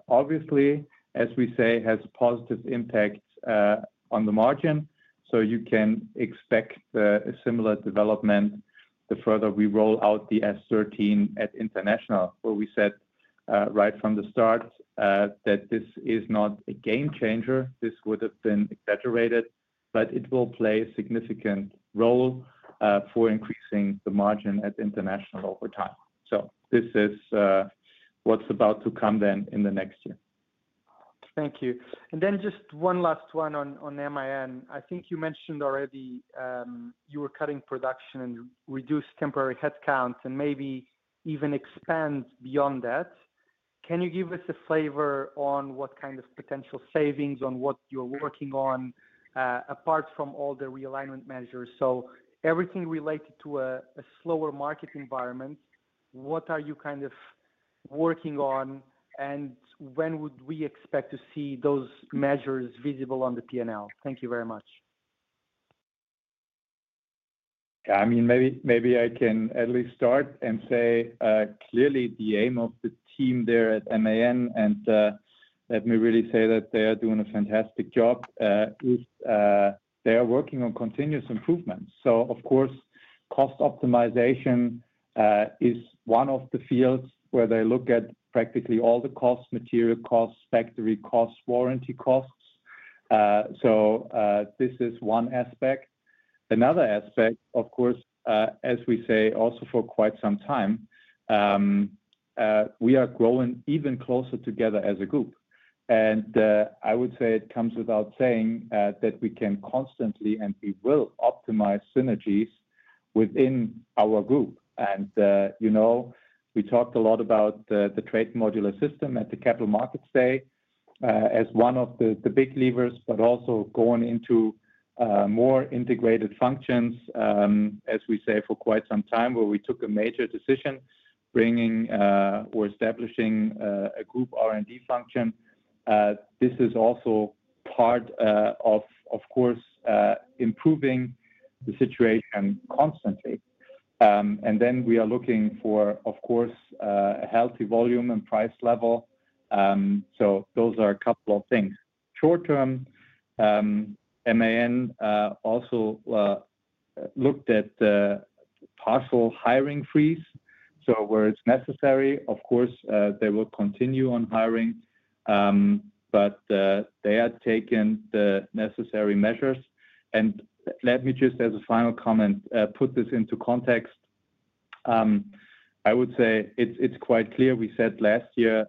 obviously, as we say, has positive impacts, on the margin. So you can expect, a similar development the further we roll out the S13 at International, where we said, right from the start, that this is not a game changer. This would have been exaggerated, but it will play a significant role, for increasing the margin at International over time. So this is, what's about to come then in the next year. Thank you. And then just one last one on MAN. I think you mentioned already, you were cutting production and reduce temporary headcounts, and maybe even expand beyond that. Can you give us a flavor on what kind of potential savings on what you're working on, apart from all the realignment measures? So everything related to a slower market environment, what are you kind of working on, and when would we expect to see those measures visible on the P&L? Thank you very much. Yeah, I mean, maybe, maybe I can at least start and say, clearly, the aim of the team there at MAN, and, let me really say that they are doing a fantastic job, is, they are working on continuous improvements. So of course, cost optimization is one of the fields where they look at practically all the costs: material costs, factory costs, warranty costs. So, this is one aspect. Another aspect, of course, as we say, also for quite some time, we are growing even closer together as a group. And, I would say it comes without saying, that we can constantly, and we will optimize synergies within our group. And you know, we talked a lot about the TRATON Modular System at the Capital Markets Day, as one of the big levers, but also going into more integrated functions, as we say, for quite some time, where we took a major decision, bringing or establishing a group R&D function. This is also part of course improving the situation constantly. And then we are looking for of course a healthy volume and price level. So those are a couple of things. Short term, MAN also looked at partial hiring freeze. So where it's necessary, of course, they will continue on hiring, but they had taken the necessary measures. And let me just, as a final comment, put this into context. I would say it's quite clear. We said last year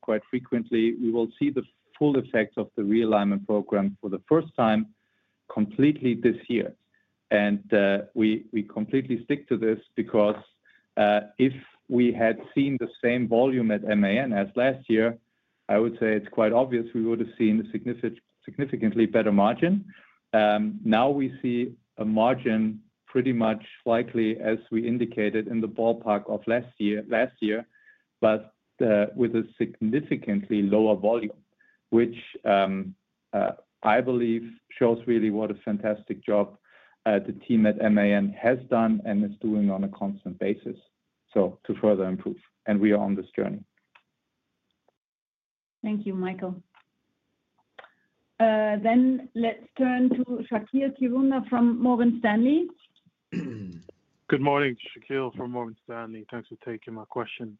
quite frequently we will see the full effects of the realignment program for the first time completely this year. And we completely stick to this, because if we had seen the same volume at MAN as last year, I would say it's quite obvious we would have seen a significantly better margin. Now we see a margin pretty much likely, as we indicated in the ballpark of last year, but with a significantly lower volume, which I believe shows really what a fantastic job the team at MAN has done and is doing on a constant basis, so to further improve. And we are on this journey. Thank you, Michael. Then let's turn to Shaqeal Kirunda from Morgan Stanley. Good morning, Shaqeal from Morgan Stanley. Thanks for taking my question.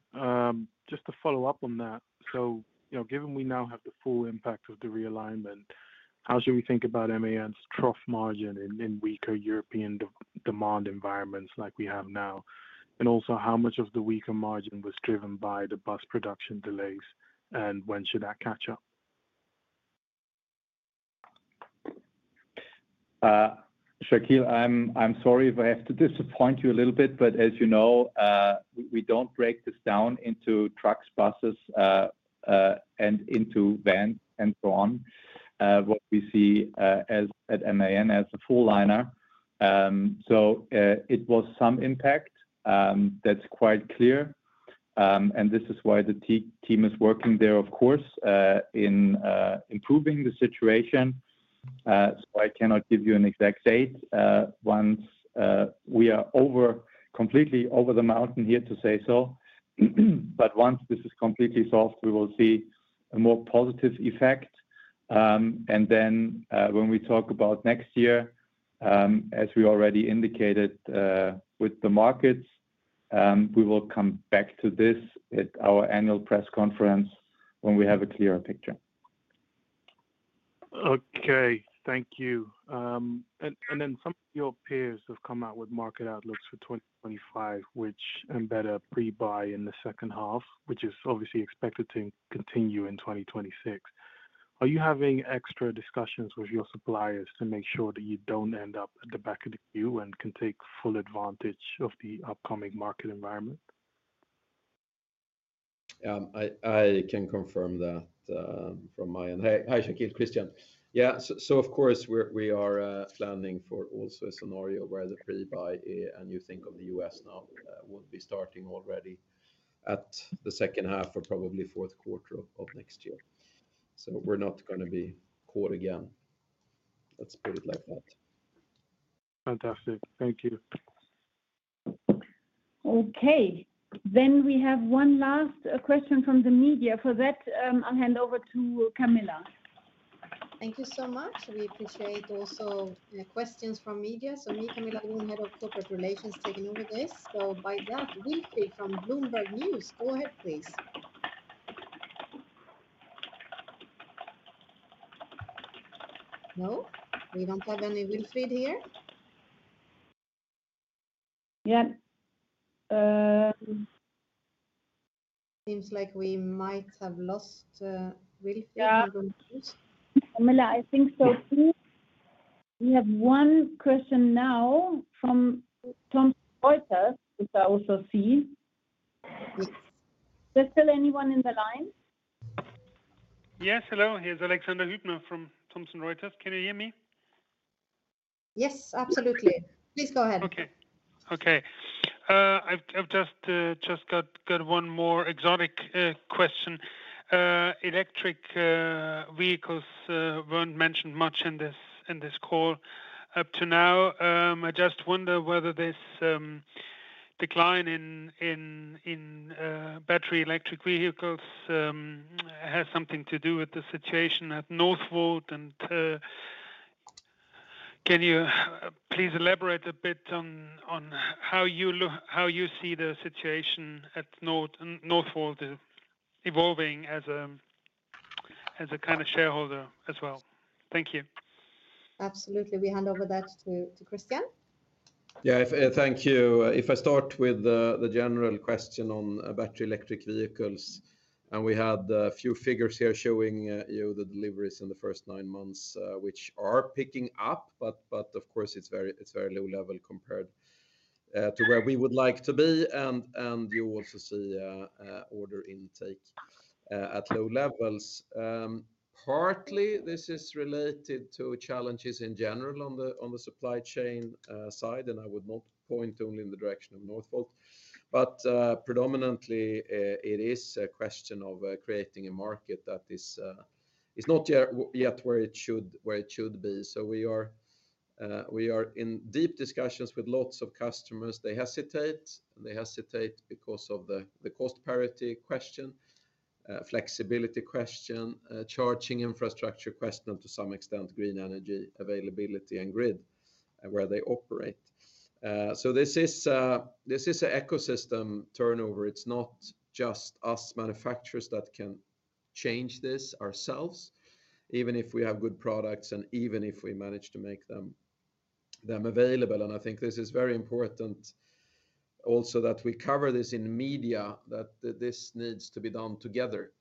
Just to follow up on that, so, you know, given we now have the full impact of the realignment, how should we think about MAN's trough margin in weaker European demand environments like we have now? And also, how much of the weaker margin was driven by the bus production delays, and when should that catch up? Shaqeal, I'm sorry if I have to disappoint you a little bit, but as you know, we don't break this down into trucks, buses, and into vans and so on. What we see at MAN as a full liner, so it was some impact, that's quite clear. And this is why the team is working there, of course, in improving the situation. So I cannot give you an exact date, once we are completely over the mountain here, to say so. But once this is completely solved, we will see a more positive effect. And then, when we talk about next year, as we already indicated, with the markets, we will come back to this at our annual press conference when we have a clearer picture. Okay. Thank you. And then some of your peers have come out with market outlooks for 2025, which embed a pre-buy in the second half, which is obviously expected to continue in 2026. Are you having extra discussions with your suppliers to make sure that you don't end up at the back of the queue and can take full advantage of the upcoming market environment?... I can confirm that, from my end. Hey, hi, Shaqeal, Christian. Yeah, so of course, we are planning for also a scenario where the pre-buy, and you think of the US now, would be starting already at the second half or probably fourth quarter of next year. So we're not gonna be caught again, let's put it like that. Fantastic. Thank you. Okay, then we have one last question from the media. For that, I'll hand over to Camilla. Thank you so much. We appreciate also questions from media. So me, Camilla Dewoon, Head of Corporate Relations, taking over this. So by that, Wilfried from Bloomberg News, go ahead, please. No, we don't have any Wilfried here? Yeah. Um- Seems like we might have lost Wilfried. Yeah. Camilla, I think so, too. We have one question now from Thomson Reuters, which I also see. Is there still anyone in the line? Yes, hello, here's Alexander Hübner from Thomson Reuters. Can you hear me? Yes, absolutely. Please go ahead. Okay. I've just got one more exotic question. Electric vehicles weren't mentioned much in this call up to now. I just wonder whether this decline in battery electric vehicles has something to do with the situation at Northvolt. And can you please elaborate a bit on how you see the situation at Northvolt evolving as a kind of shareholder as well? Thank you. Absolutely. We hand over that to Christian. Yeah, thank you. If I start with the general question on battery electric vehicles, and we had a few figures here showing you the deliveries in the first nine months, which are picking up, but of course, it's very low level compared to where we would like to be. You also see order intake at low levels. Partly, this is related to challenges in general on the supply chain side, and I would not point only in the direction of Northvolt. But predominantly, it is a question of creating a market that is not yet where it should be. So we are in deep discussions with lots of customers. They hesitate, and they hesitate because of the cost parity question, flexibility question, charging infrastructure question, to some extent, green energy availability and grid where they operate. So this is an ecosystem turnover. It's not just us manufacturers that can change this ourselves, even if we have good products and even if we manage to make them available. And I think this is very important also that we cover this in media, that this needs to be done together.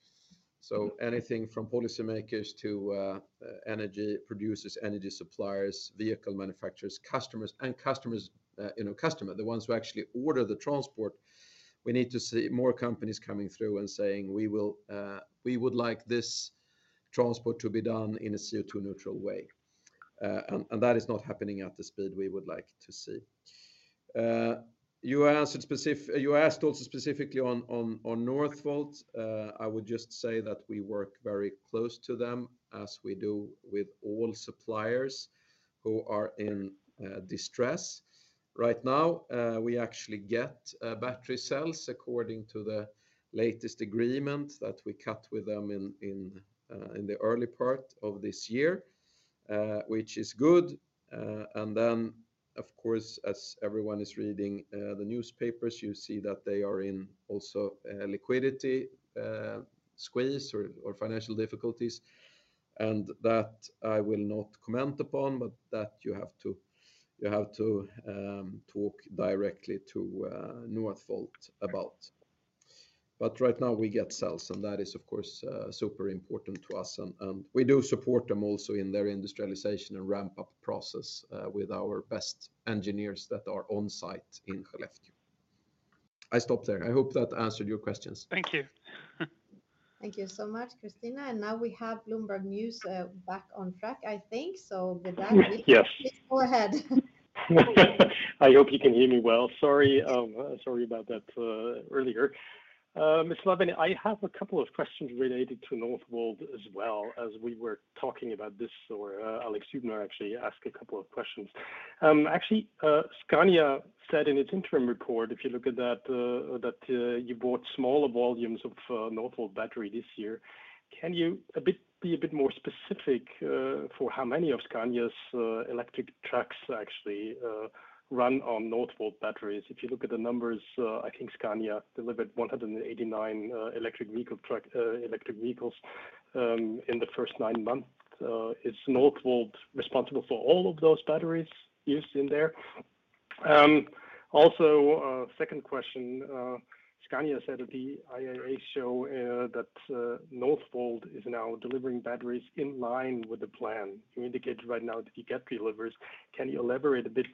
So anything from policymakers to energy producers, energy suppliers, vehicle manufacturers, customers, you know, the ones who actually order the transport, we need to see more companies coming through and saying, "We will... We would like this transport to be done in a CO2 neutral way. And that is not happening at the speed we would like to see. You asked also specifically on Northvolt. I would just say that we work very close to them, as we do with all suppliers who are in distress. Right now, we actually get battery cells according to the latest agreement that we cut with them in the early part of this year, which is good. And then, of course, as everyone is reading the newspapers, you see that they are in also liquidity squeeze or financial difficulties, and that I will not comment upon, but that you have to talk directly to Northvolt about. But right now we get cells, and that is, of course, super important to us, and we do support them also in their industrialization and ramp-up process, with our best engineers that are on site in Skellefteå. I stop there. I hope that answered your questions. Thank you. Thank you so much, Christian, and now we have Bloomberg News, back on track, I think. So with that- Yes... please, go ahead. I hope you can hear me well. Sorry, sorry about that, earlier. Mr. Levin, I have a couple of questions related to Northvolt as well, as we were talking about this, or, Alex Hübner actually asked a couple of questions. Actually, Scania said in its interim report, if you look at that, that, you bought smaller volumes of, Northvolt battery this year. Can you be a bit more specific, for how many of Scania's, electric trucks actually, run on Northvolt batteries? If you look at the numbers, I think Scania delivered 189, electric vehicle truck, electric vehicles, in the first nine months. Is Northvolt responsible for all of those batteries used in there? Also, second question, Scania said at the IAA show in-... that Northvolt is now delivering batteries in line with the plan. You indicated right now that you get deliveries. Can you elaborate a bit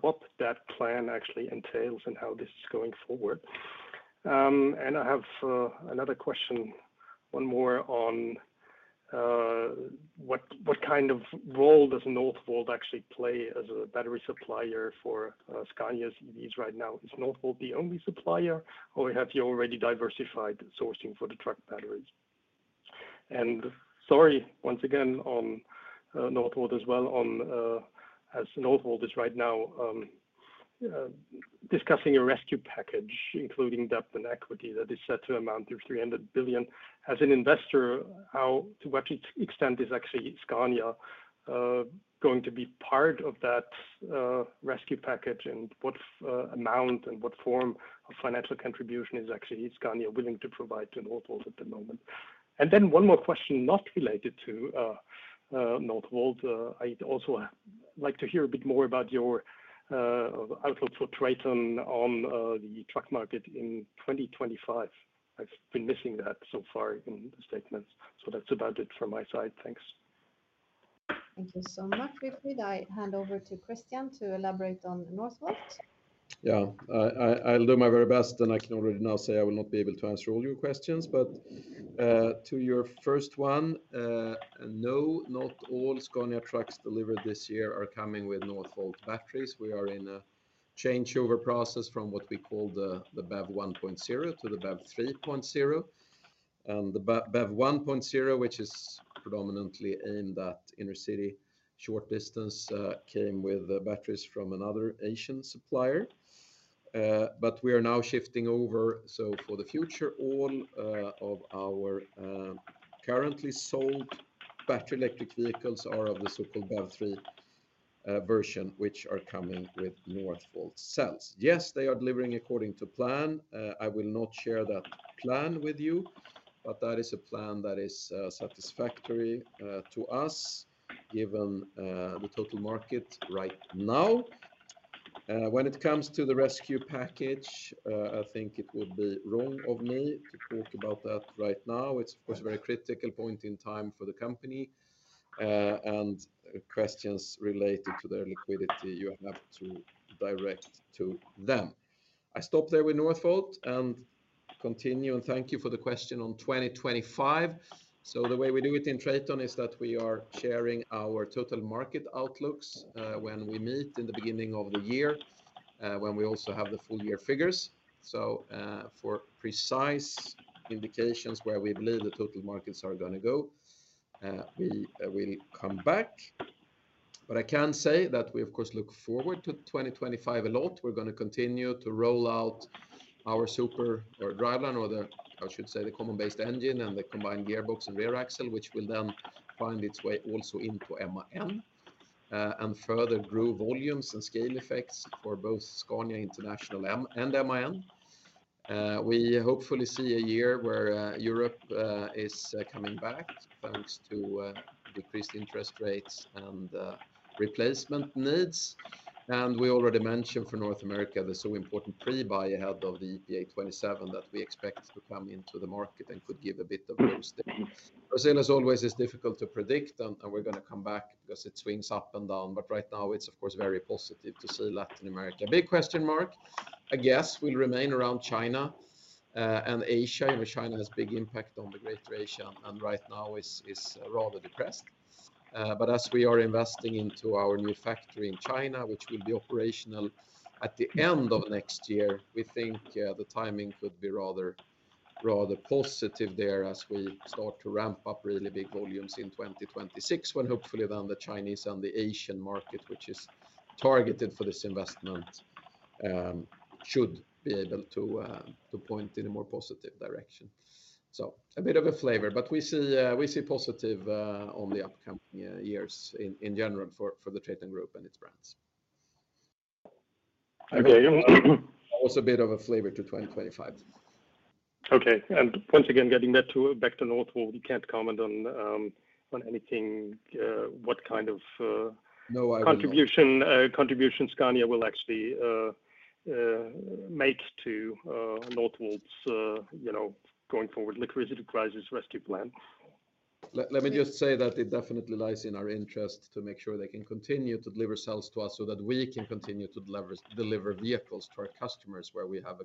what that plan actually entails, and how this is going forward? And I have another question, one more on what kind of role does Northvolt actually play as a battery supplier for Scania's EVs right now? Is Northvolt the only supplier, or have you already diversified sourcing for the truck batteries? And sorry, once again, on Northvolt as well, as Northvolt is right now discussing a rescue package, including debt and equity, that is set to amount to 300 billion. As an investor, how to what extent is actually Scania going to be part of that rescue package, and what amount and what form of financial contribution is actually Scania willing to provide to Northvolt at the moment? And then one more question, not related to Northvolt. I'd also like to hear a bit more about your outlook for Traton on the truck market in twenty twenty-five. I've been missing that so far in the statements. So that's about it from my side. Thanks. Thank you so much, Wilfried. I hand over to Christian to elaborate on Northvolt. Yeah. I'll do my very best, and I can already now say I will not be able to answer all your questions. But to your first one, no, not all Scania trucks delivered this year are coming with Northvolt batteries. We are in a changeover process from what we call the BEV 1.0 to the BEV 3.0. And the BEV 1.0, which is predominantly in that inner city, short distance, came with batteries from another Asian supplier. But we are now shifting over, so for the future, all of our currently sold battery electric vehicles are of the so-called BEV 3.0 version, which are coming with Northvolt cells. Yes, they are delivering according to plan. I will not share that plan with you, but that is a plan that is satisfactory to us, given the total market right now. When it comes to the rescue package, I think it would be wrong of me to talk about that right now. It's, of course, a very critical point in time for the company, and questions related to their liquidity, you will have to direct to them. I stop there with Northvolt, and continue, and thank you for the question on 2025. The way we do it in Traton is that we are sharing our total market outlooks when we meet in the beginning of the year when we also have the full year figures. For precise indications where we believe the total markets are gonna go, we will come back. I can say that we, of course, look forward to 2025 a lot. We're gonna continue to roll out our Super driveline, or the, I should say, the common-based engine and the combined gearbox and rear axle, which will then find its way also into MAN and further grow volumes and scale effects for both Scania, International, MAN and MAN. We hopefully see a year where Europe is coming back, thanks to decreased interest rates and replacement needs. We already mentioned for North America, the so important pre-buy ahead of the EPA 27 that we expect to come into the market and could give a bit of boost. Brazil, as always, is difficult to predict, and we're gonna come back because it swings up and down. Right now it's, of course, very positive to see Latin America. Big question mark, I guess, will remain around China and Asia. I mean, China has big impact on the greater Asia, and right now is rather depressed, but as we are investing into our new factory in China, which will be operational at the end of next year, we think the timing could be rather positive there as we start to ramp up really big volumes in 2026, when hopefully then the Chinese and the Asian market, which is targeted for this investment, should be able to point in a more positive direction, so a bit of a flavor, but we see positive on the upcoming yeah years in general for the Traton Group and its brands. Okay. Also a bit of a flavor to 2025. Okay, and once again, getting back to Northvolt, you can't comment on anything, what kind of No, I cannot.... contribution Scania will actually make to Northvolt's, you know, going forward, liquidity crisis rescue plan? Let me just say that it definitely lies in our interest to make sure they can continue to deliver cells to us, so that we can continue to deliver vehicles to our customers, where we have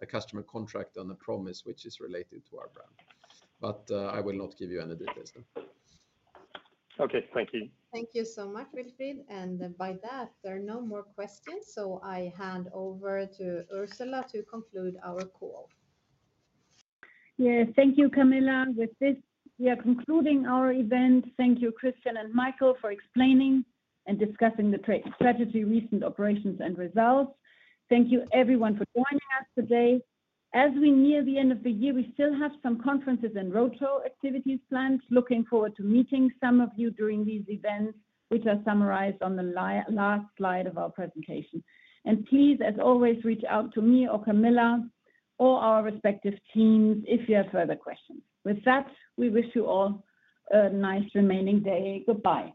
a customer contract and a promise which is related to our brand. But, I will not give you any details though. Okay, thank you. Thank you so much, Wilfried, and by that, there are no more questions, so I hand over to Ursula to conclude our call. Yeah. Thank you, Camilla. With this, we are concluding our event. Thank you, Christian and Michael, for explaining and discussing the TRATON strategy, recent operations, and results. Thank you everyone for joining us today. As we near the end of the year, we still have some conferences and roadshow activities planned. Looking forward to meeting some of you during these events, which are summarized on the last slide of our presentation. And please, as always, reach out to me or Camilla or our respective teams if you have further questions. With that, we wish you all a nice remaining day. Goodbye.